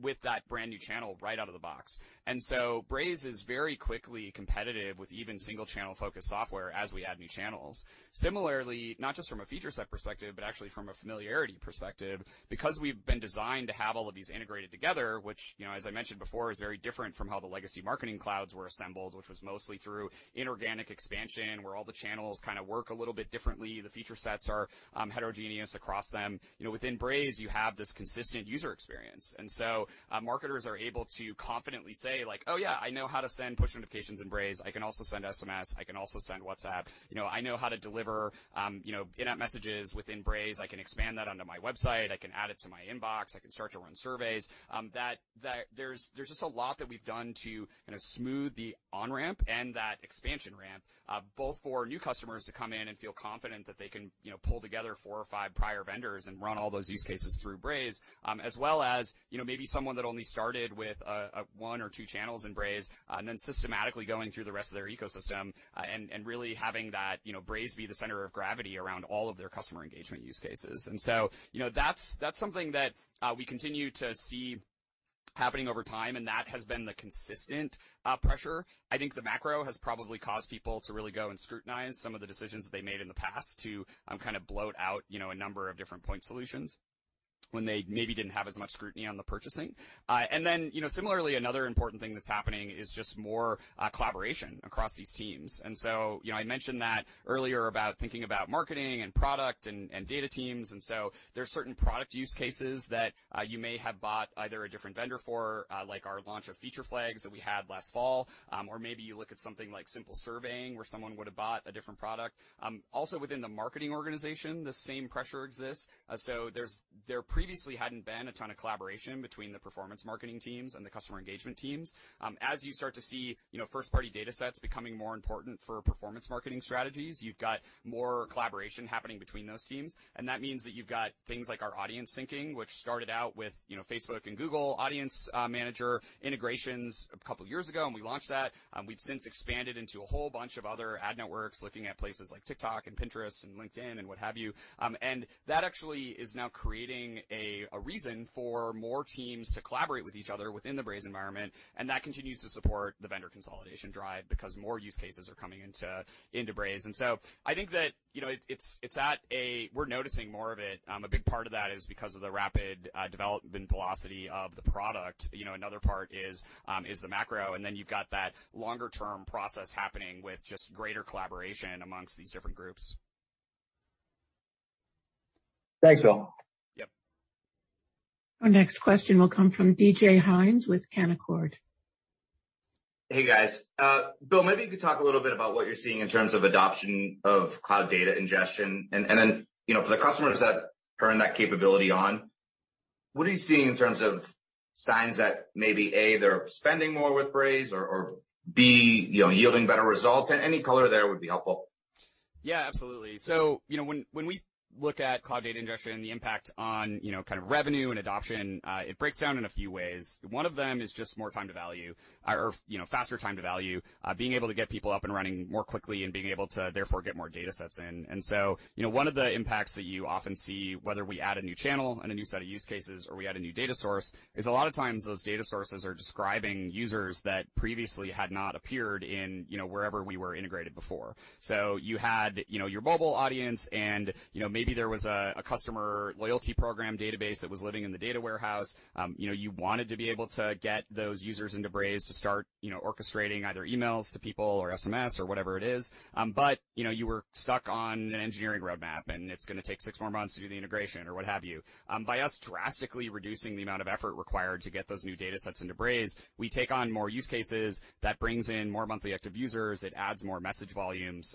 with that brand new channel right out of the box. So Braze is very quickly competitive with even single-channel-focused software as we add new channels. Similarly, not just from a feature set perspective, but actually from a familiarity perspective, because we've been designed to have all of these integrated together, which, you know, as I mentioned before, is very different from how the legacy marketing clouds were assembled, which was mostly through inorganic expansion, where all the channels kind of work a little bit differently. The feature sets are heterogeneous across them. You know, within Braze, you have this consistent user experience. Marketers are able to confidently say, like: "Oh, yeah, I know how to send push notifications in Braze. I can also send SMS. I can also send WhatsApp. You know, I know how to deliver, you know, in-app messages within Braze. I can expand that onto my website. I can add it to my inbox. I can start to run surveys." That there's just a lot that we've done to, you know, smooth the on-ramp and that expansion ramp, both for new customers to come in and feel confident that they can, you know, pull together four or five prior vendors and run all those use cases through Braze. As well as, you know, maybe someone that only started with one or two channels in Braze, and then systematically going through the rest of their ecosystem, and really having that, you know, Braze be the center of gravity around all of their customer engagement use cases. You know, that's something that we continue to see happening over time, and that has been the consistent pressure. I think the macro has probably caused people to really go and scrutinize some of the decisions they made in the past to kind of bloat out, you know, a number of different point solutions when they maybe didn't have as much scrutiny on the purchasing. Then, you know, similarly, another important thing that's happening is just more collaboration across these teams. You know, I mentioned that earlier about thinking about marketing and product and data teams. There are certain product use cases that you may have bought either a different vendor for, like our launch of Feature Flags that we had last fall. Or maybe you look at something like simple surveying, where someone would have bought a different product. Also within the marketing organization, the same pressure exists. There previously hadn't been a ton of collaboration between the performance marketing teams and the customer engagement teams. As you start to see, you know, first-party data sets becoming more important for performance marketing strategies, you've got more collaboration happening between those teams. That means that you've got things like our audience syncing, which started out with, you know, Facebook and Google Audience Manager integrations 2 years ago. We launched that. We've since expanded into a whole bunch of other ad networks, looking at places like TikTok and Pinterest and LinkedIn and what have you. That actually is now creating a reason for more teams to collaborate with each other within the Braze environment. That continues to support the vendor consolidation drive because more use cases are coming into Braze. I think that, you know, it's. We're noticing more of it. A big part of that is because of the rapid development velocity of the product. You know, another part is the macro, and then you've got that longer term process happening with just greater collaboration amongst these different groups. Thanks, Bill. Yep. Our next question will come from DJ Hynes with Canaccord. Hey, guys. Bill, maybe you could talk a little bit about what you're seeing in terms of adoption of Cloud Data Ingestion. Then, you know, for the customers that turn that capability on, what are you seeing in terms of signs that maybe, A, they're spending more with Braze, or B, you know, yielding better results? Any color there would be helpful. Yeah, absolutely. You know, when we look at Cloud Data Ingestion and the impact on, you know, kind of revenue and adoption, it breaks down in a few ways. One of them is just more time to value or, you know, faster time to value, being able to get people up and running more quickly and being able to therefore get more datasets in. You know, one of the impacts that you often see, whether we add a new channel and a new set of use cases or we add a new data source, is a lot of times those data sources are describing users that previously had not appeared in, you know, wherever we were integrated before. You had, you know, your mobile audience and, you know, maybe there was a customer loyalty program database that was living in the data warehouse. You know, you wanted to be able to get those users into Braze to start, you know, orchestrating either emails to people or SMS or whatever it is. You know, you were stuck on an engineering roadmap, and it's gonna take six more months to do the integration or what have you. By us drastically reducing the amount of effort required to get those new data sets into Braze, we take on more use cases. That brings in more monthly active users. It adds more message volumes.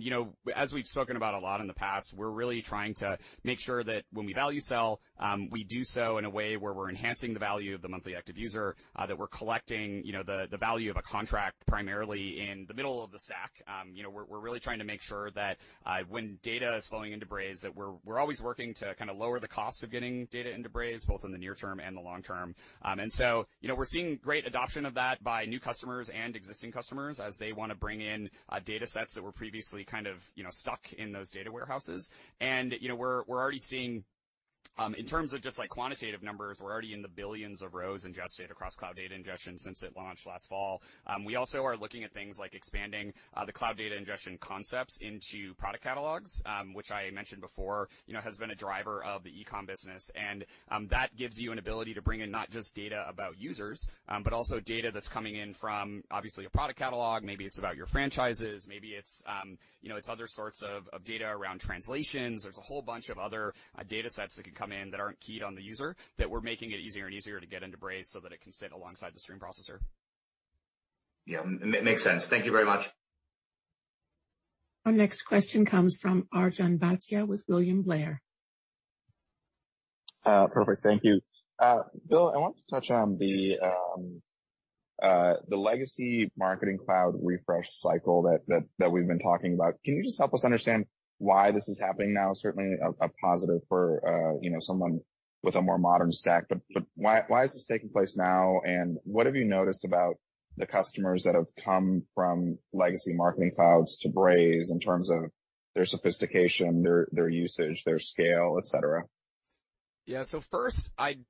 You know, as we've spoken about a lot in the past, we're really trying to make sure that when we value sell, we do so in a way where we're enhancing the value of the monthly active user, that we're collecting, you know, the value of a contract primarily in the middle of the stack. You know, we're really trying to make sure that, when data is flowing into Braze, that we're always working to kind of lower the cost of getting data into Braze, both in the near term and the long term. So, you know, we're seeing great adoption of that by new customers and existing customers as they want to bring in, data sets that were previously kind of, you know, stuck in those data warehouses. You know, we're already seeing, in terms of just, like, quantitative numbers, we're already in the billions of rows ingested across Cloud Data Ingestion since it launched last fall. We also are looking at things like expanding the Cloud Data Ingestion concepts into Catalogs, which I mentioned before, you know, has been a driver of the e-com business. That gives you an ability to bring in not just data about users, but also data that's coming in from, obviously, a product catalog. Maybe it's about your franchises, maybe it's, you know, it's other sorts of data around translations. There's a whole bunch of other data sets that can come in that aren't keyed on the user, that we're making it easier and easier to get into Braze so that it can sit alongside the stream processor. Yeah, it makes sense. Thank you very much. Our next question comes from Arjun Bhatia with William Blair. Perfect. Thank you. Bill, I wanted to touch on the legacy Marketing Cloud refresh cycle that we've been talking about. Can you just help us understand why this is happening now? Certainly a positive for, you know, someone with a more modern stack. Why is this taking place now? What have you noticed about the customers that have come from legacy Marketing Clouds to Braze in terms of their sophistication, their usage, their scale, et cetera? Yeah. First, I'd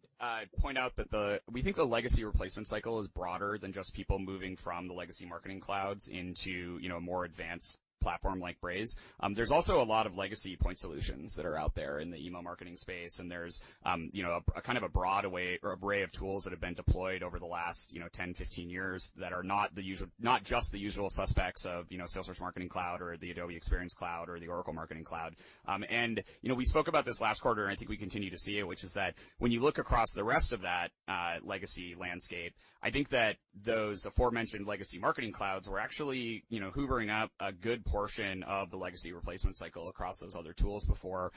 point out that we think the legacy replacement cycle is broader than just people moving from the legacy marketing clouds into, you know, a more advanced platform like Braze. There's also a lot of legacy point solutions that are out there in the email marketing space, and there's, you know, a kind of a broad array of tools that have been deployed over the last, you know, 10, 15 years that are not just the usual suspects of, you know, Salesforce Marketing Cloud or the Adobe Experience Cloud or the Oracle Marketing Cloud. You know, we spoke about this last quarter, and I think we continue to see it, which is that when you look across the rest of that legacy landscape, I think that those aforementioned legacy marketing clouds were actually, you know, hoovering up a good portion of the legacy replacement cycle across those other tools before.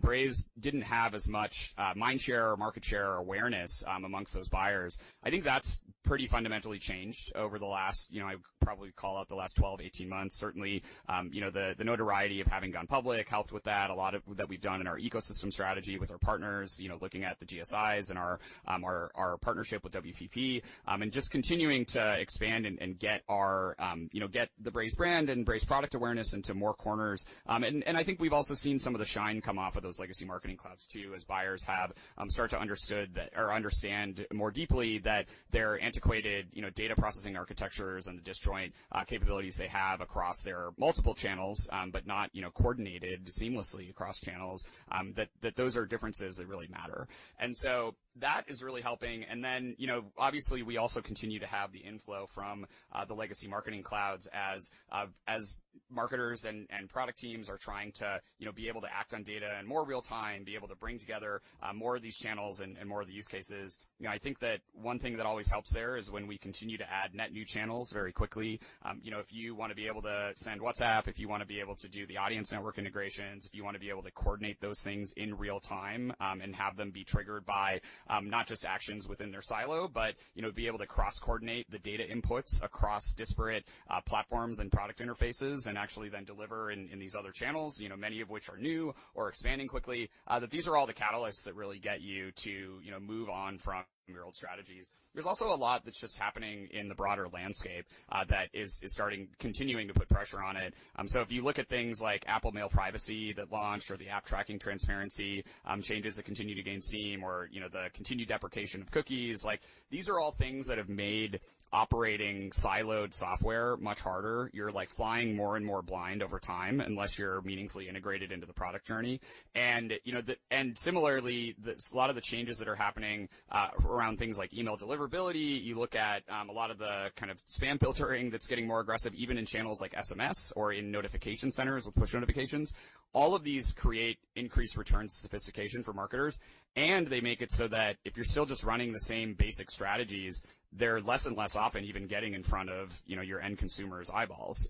Braze didn't have as much mind share or market share or awareness amongst those buyers. I think that's pretty fundamentally changed over the last, you know, I'd probably call it the last 12, 18 months. Certainly, you know, the notoriety of having gone public helped with that. A lot of that we've done in our ecosystem strategy with our partners, you know, looking at the GSIs and our, our partnership with WPP, and just continuing to expand and get our, you know, get the Braze brand and Braze product awareness into more corners. I think we've also seen some of the shine come off of those legacy marketing clouds, too, as buyers have start to understood that or understand more deeply that their antiquated, you know, data processing architectures and the disjoint capabilities they have across their multiple channels, but not, you know, coordinated seamlessly across channels, that those are differences that really matter. That is really helping. You know, obviously, we also continue to have the inflow from the legacy marketing clouds as marketers and product teams are trying to, you know, be able to act on data in more real time, be able to bring together more of these channels and more of the use cases. You know, I think that one thing that always helps there is when we continue to add net new channels very quickly. You know, if you want to be able to send WhatsApp, if you want to be able to do the audience network integrations, if you want to be able to coordinate those things in real time, and have them be triggered by not just actions within their silo, but, you know, be able to cross-coordinate the data inputs across disparate platforms and product interfaces and actually then deliver in these other channels, you know, many of which are new or expanding quickly, that these are all the catalysts that really get you to, you know, move on from your old strategies. There's also a lot that's just happening in the broader landscape that is continuing to put pressure on it. If you look at things like Mail Privacy Protection that launched or the App Tracking Transparency changes that continue to gain steam or, you know, the continued deprecation of cookies, like, these are all things that have made operating siloed software much harder. You're, like, flying more and more blind over time unless you're meaningfully integrated into the product journey. You know, and similarly, a lot of the changes that are happening around things like email deliverability, you look at a lot of the kind of spam filtering that's getting more aggressive, even in channels like SMS or in notification centers with push notifications. All of these create increased return sophistication for marketers, and they make it so that if you're still just running the same basic strategies, they're less and less often even getting in front of, you know, your end consumer's eyeballs.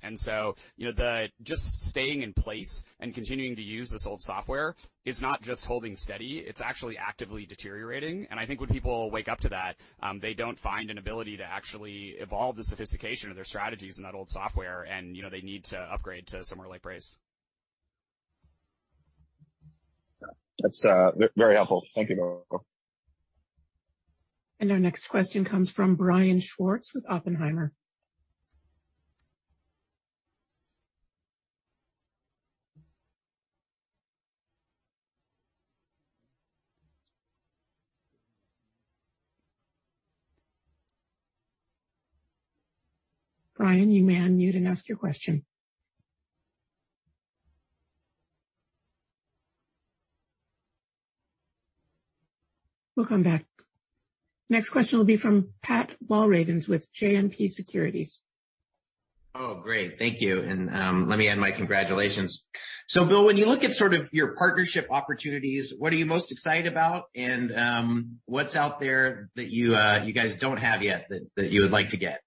You know, just staying in place and continuing to use this old software is not just holding steady, it's actually actively deteriorating, and I think when people wake up to that, they don't find an ability to actually evolve the sophistication of their strategies in that old software, and, you know, they need to upgrade to somewhere like Braze. That's very helpful. Thank you, Bill. Our next question comes from Brian Schwartz with Oppenheimer. Brian, you may unmute and ask your question. We'll come back. Next question will be from Pat Walravens with JMP Securities. Great. Thank you, and let me add my congratulations. Bill, when you look at sort of your partnership opportunities, what are you most excited about, and what's out there that you guys don't have yet that you would like to get?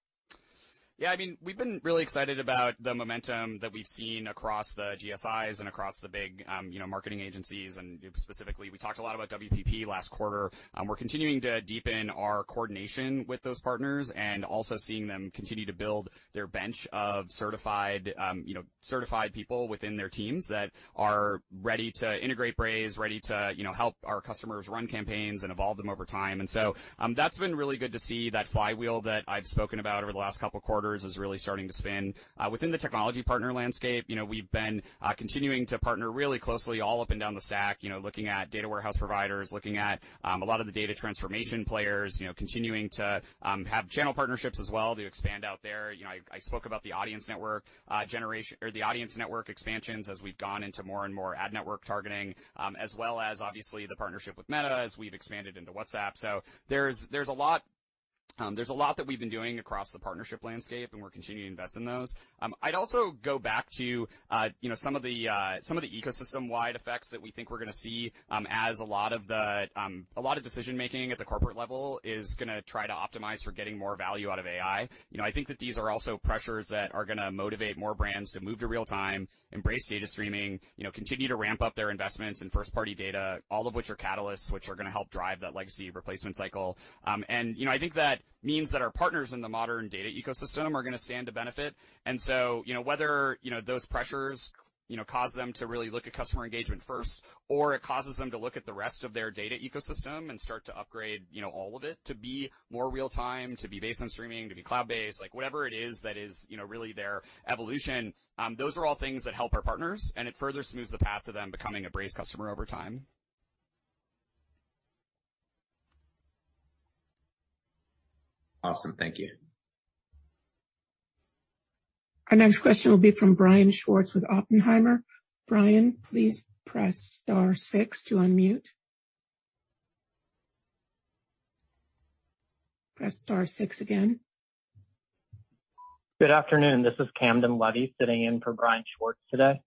Yeah, I mean, we've been really excited about the momentum that we've seen across the GSIs and across the big, you know, marketing agencies, and specifically, we talked a lot about WPP last quarter. We're continuing to deepen our coordination with those partners and also seeing them continue to build their bench of certified, you know, certified people within their teams that are ready to integrate Braze, ready to, you know, help our customers run campaigns and evolve them over time. That's been really good to see. That flywheel that I've spoken about over the last couple of quarters is really starting to spin. Within the technology partner landscape, you know, we've been continuing to partner really closely all up and down the sack, you know, looking at data warehouse providers, looking at a lot of the data transformation players, you know, continuing to have channel partnerships as well to expand out there. You know, I spoke about the audience network generation, or the audience network expansions as we've gone into more and more ad network targeting, as well as obviously the partnership with Meta as we've expanded into WhatsApp. There's a lot. There's a lot that we've been doing across the partnership landscape, and we're continuing to invest in those. I'd also go back to, you know, some of the, some of the ecosystem-wide effects that we think we're gonna see, as a lot of the, a lot of decision-making at the corporate level is gonna try to optimize for getting more value out of AI. You know, I think that these are also pressures that are gonna motivate more brands to move to real time, embrace data streaming, you know, continue to ramp up their investments in first-party data, all of which are catalysts, which are gonna help drive that legacy replacement cycle. You know, I think that means that our partners in the modern data ecosystem are gonna stand to benefit. you know, whether, you know, those pressures, you know, cause them to really look at customer engagement first, or it causes them to look at the rest of their data ecosystem and start to upgrade, you know, all of it, to be more real time, to be based on streaming, to be cloud-based, like whatever it is that is, you know, really their evolution, those are all things that help our partners, and it further smooths the path to them becoming a Braze customer over time. Awesome. Thank you. Our next question will be from Brian Schwartz with Oppenheimer. Brian, please press star six to unmute. Press star six again. Good afternoon. This is Camden Levy, sitting in for Brian Schwartz today.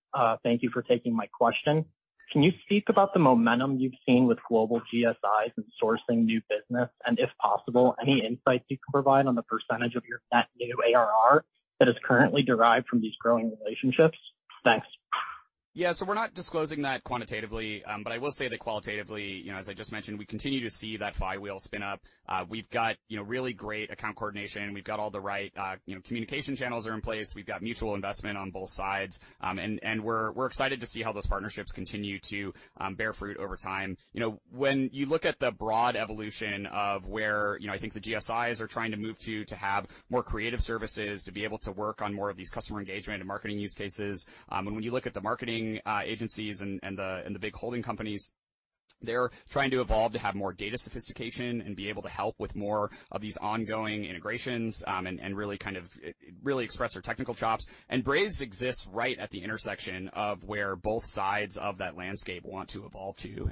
Thank you for taking my question. Can you speak about the momentum you've seen with global GSIs in sourcing new business, and if possible, any insights you can provide on the % of your net new ARR that is currently derived from these growing relationships? Thanks. Yeah, we're not disclosing that quantitatively, I will say that qualitatively, you know, as I just mentioned, we continue to see that flywheel spin up. We've got, you know, really great account coordination. We've got all the right, you know, communication channels are in place. We've got mutual investment on both sides. We're excited to see how those partnerships continue to bear fruit over time. You know, when you look at the broad evolution of where, you know, I think the GSIs are trying to move to have more creative services, to be able to work on more of these customer engagement and marketing use cases, and when you look at the marketing agencies and the big holding companies, they're trying to evolve to have more data sophistication and be able to help with more of these ongoing integrations, and really kind of, really express their technical chops. Braze exists right at the intersection of where both sides of that landscape want to evolve to.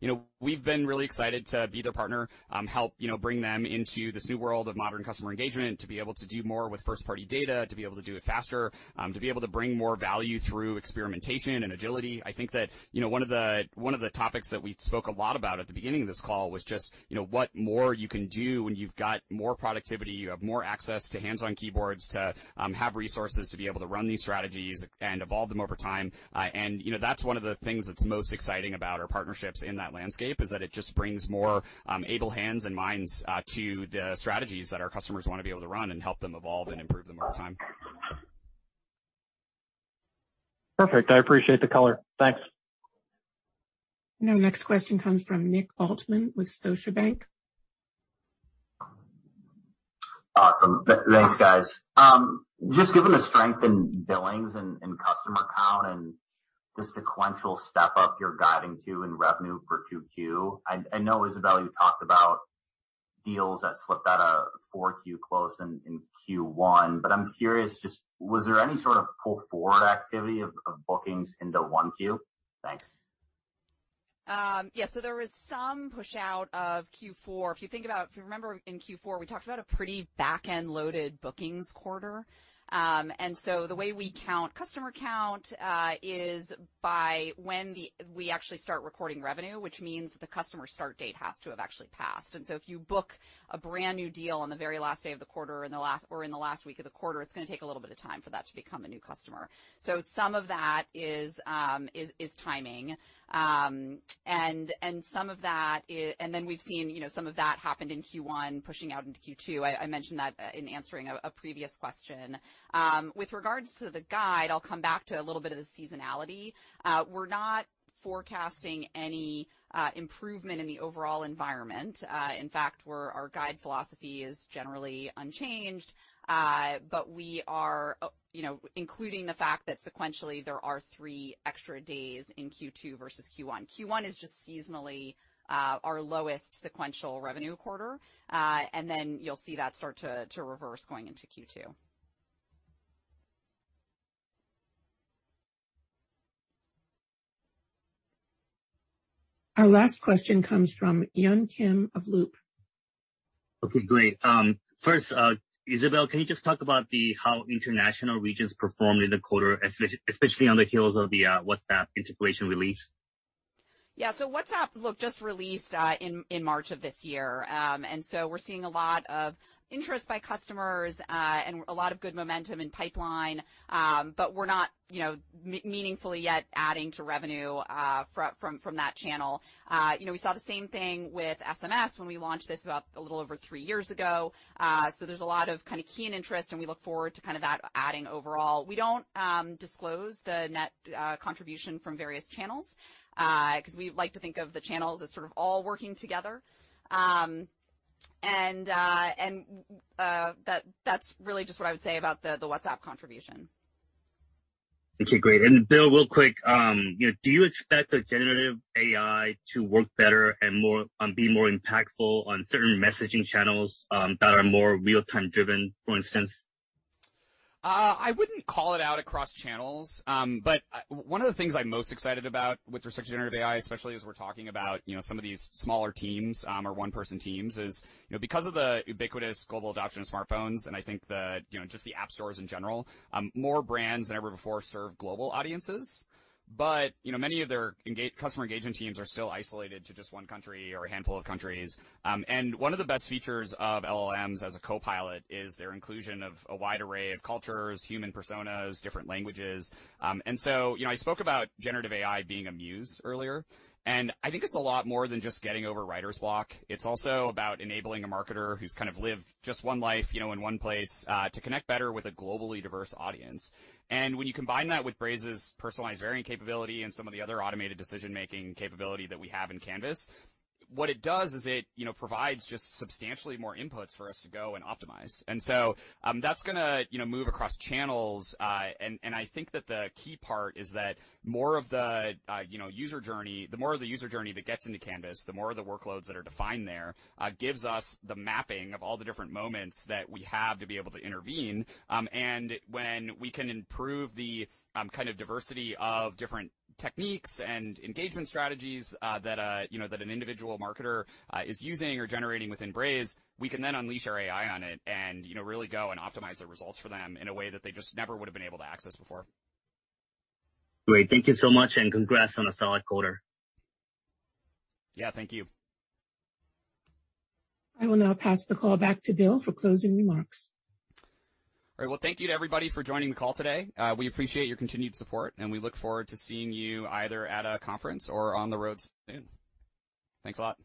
You know, we've been really excited to be their partner, help, you know, bring them into this new world of modern customer engagement, to be able to do more with first-party data, to be able to do it faster, to be able to bring more value through experimentation and agility. I think that, you know, one of the, one of the topics that we spoke a lot about at the beginning of this call was just, you know, what more you can do when you've got more productivity, you have more access to hands-on keyboards, to, have resources to be able to run these strategies and evolve them over time. You know, that's one of the things that's most exciting about our partnerships in that landscape, is that it just brings more able hands and minds to the strategies that our customers want to be able to run and help them evolve and improve them over time. Perfect. I appreciate the color. Thanks. Next question comes from Nick Altmann with Scotiabank. Awesome. Thanks, guys. Just given the strength in billings and customer count and the sequential step up you're guiding to in revenue for 2Q, I know, Isabelle, you talked about deals that slipped out of 4Q close in Q1, but I'm curious, just was there any sort of pull-forward activity of bookings into 1Q? Thanks. Yes, there was some pushout of Q4. If you remember in Q4, we talked about a pretty back-end loaded bookings quarter. The way we count customer count is by when we actually start recording revenue, which means the customer start date has to have actually passed. If you book a brand-new deal on the very last day of the quarter, in the last, or in the last week of the quarter, it's gonna take a little bit of time for that to become a new customer. Some of that is timing. Some of that is. Then we've seen, you know, some of that happened in Q1, pushing out into Q2. I mentioned that in answering a previous question. With regards to the guide, I'll come back to a little bit of the seasonality. We're not forecasting any improvement in the overall environment. In fact, our guide philosophy is generally unchanged, but we are, you know, including the fact that sequentially there are three extra days in Q2 versus Q1. Q1 is just seasonally, our lowest sequential revenue quarter, and then you'll see that start to reverse going into Q2. Our last question comes from Yun Kim of Loop. Okay, great. First, Isabelle, can you just talk about the, how international regions performed in the quarter, especially on the heels of the, WhatsApp integration release? Yeah, WhatsApp, look, just released in March of this year. We're seeing a lot of interest by customers and a lot of good momentum in pipeline, but we're not, you know, meaningfully yet adding to revenue from that channel. You know, we saw the same thing with SMS when we launched this about a little over 3 years ago. There's a lot of kind of keen interest, and we look forward to kind of that adding overall. We don't disclose the net contribution from various channels 'cause we like to think of the channels as sort of all working together. That's really just what I would say about the WhatsApp contribution. Okay, great. Bill, real quick, you know, do you expect the generative AI to work better and more, and be more impactful on certain messaging channels, that are more real-time driven, for instance? I wouldn't call it out across channels. One of the things I'm most excited about with respect to generative AI, especially as we're talking about, you know, some of these smaller teams, or one-person teams, is, you know, because of the ubiquitous global adoption of smartphones, and I think the, you know, just the app stores in general, more brands than ever before serve global audiences. You know, many of their customer engagement teams are still isolated to just 1 country or a handful of countries. One of the best features of LLMs as a copilot is their inclusion of a wide array of cultures, human personas, different languages. You know, I spoke about generative AI being a muse earlier, and I think it's a lot more than just getting over writer's block. It's also about enabling a marketer who's kind of lived just one life, you know, in one place, to connect better with a globally diverse audience. When you combine that with Braze's personalized varying capability and some of the other automated decision-making capability that we have in Canvas, what it does is it, you know, provides just substantially more inputs for us to go and optimize. That's gonna, you know, move across channels. I think that the key part is that more of the, you know, user journey that gets into Canvas, the more of the workloads that are defined there, gives us the mapping of all the different moments that we have to be able to intervene. When we can improve the kind of diversity of different techniques and engagement strategies, that, you know, that an individual marketer is using or generating within Braze, we can then unleash our AI on it and, you know, really go and optimize the results for them in a way that they just never would have been able to access before. Great. Thank you so much, and congrats on a solid quarter. Yeah, thank you. I will now pass the call back to Bill for closing remarks. All right. Well, thank you to everybody for joining the call today. We appreciate your continued support, and we look forward to seeing you either at a conference or on the road soon. Thanks a lot.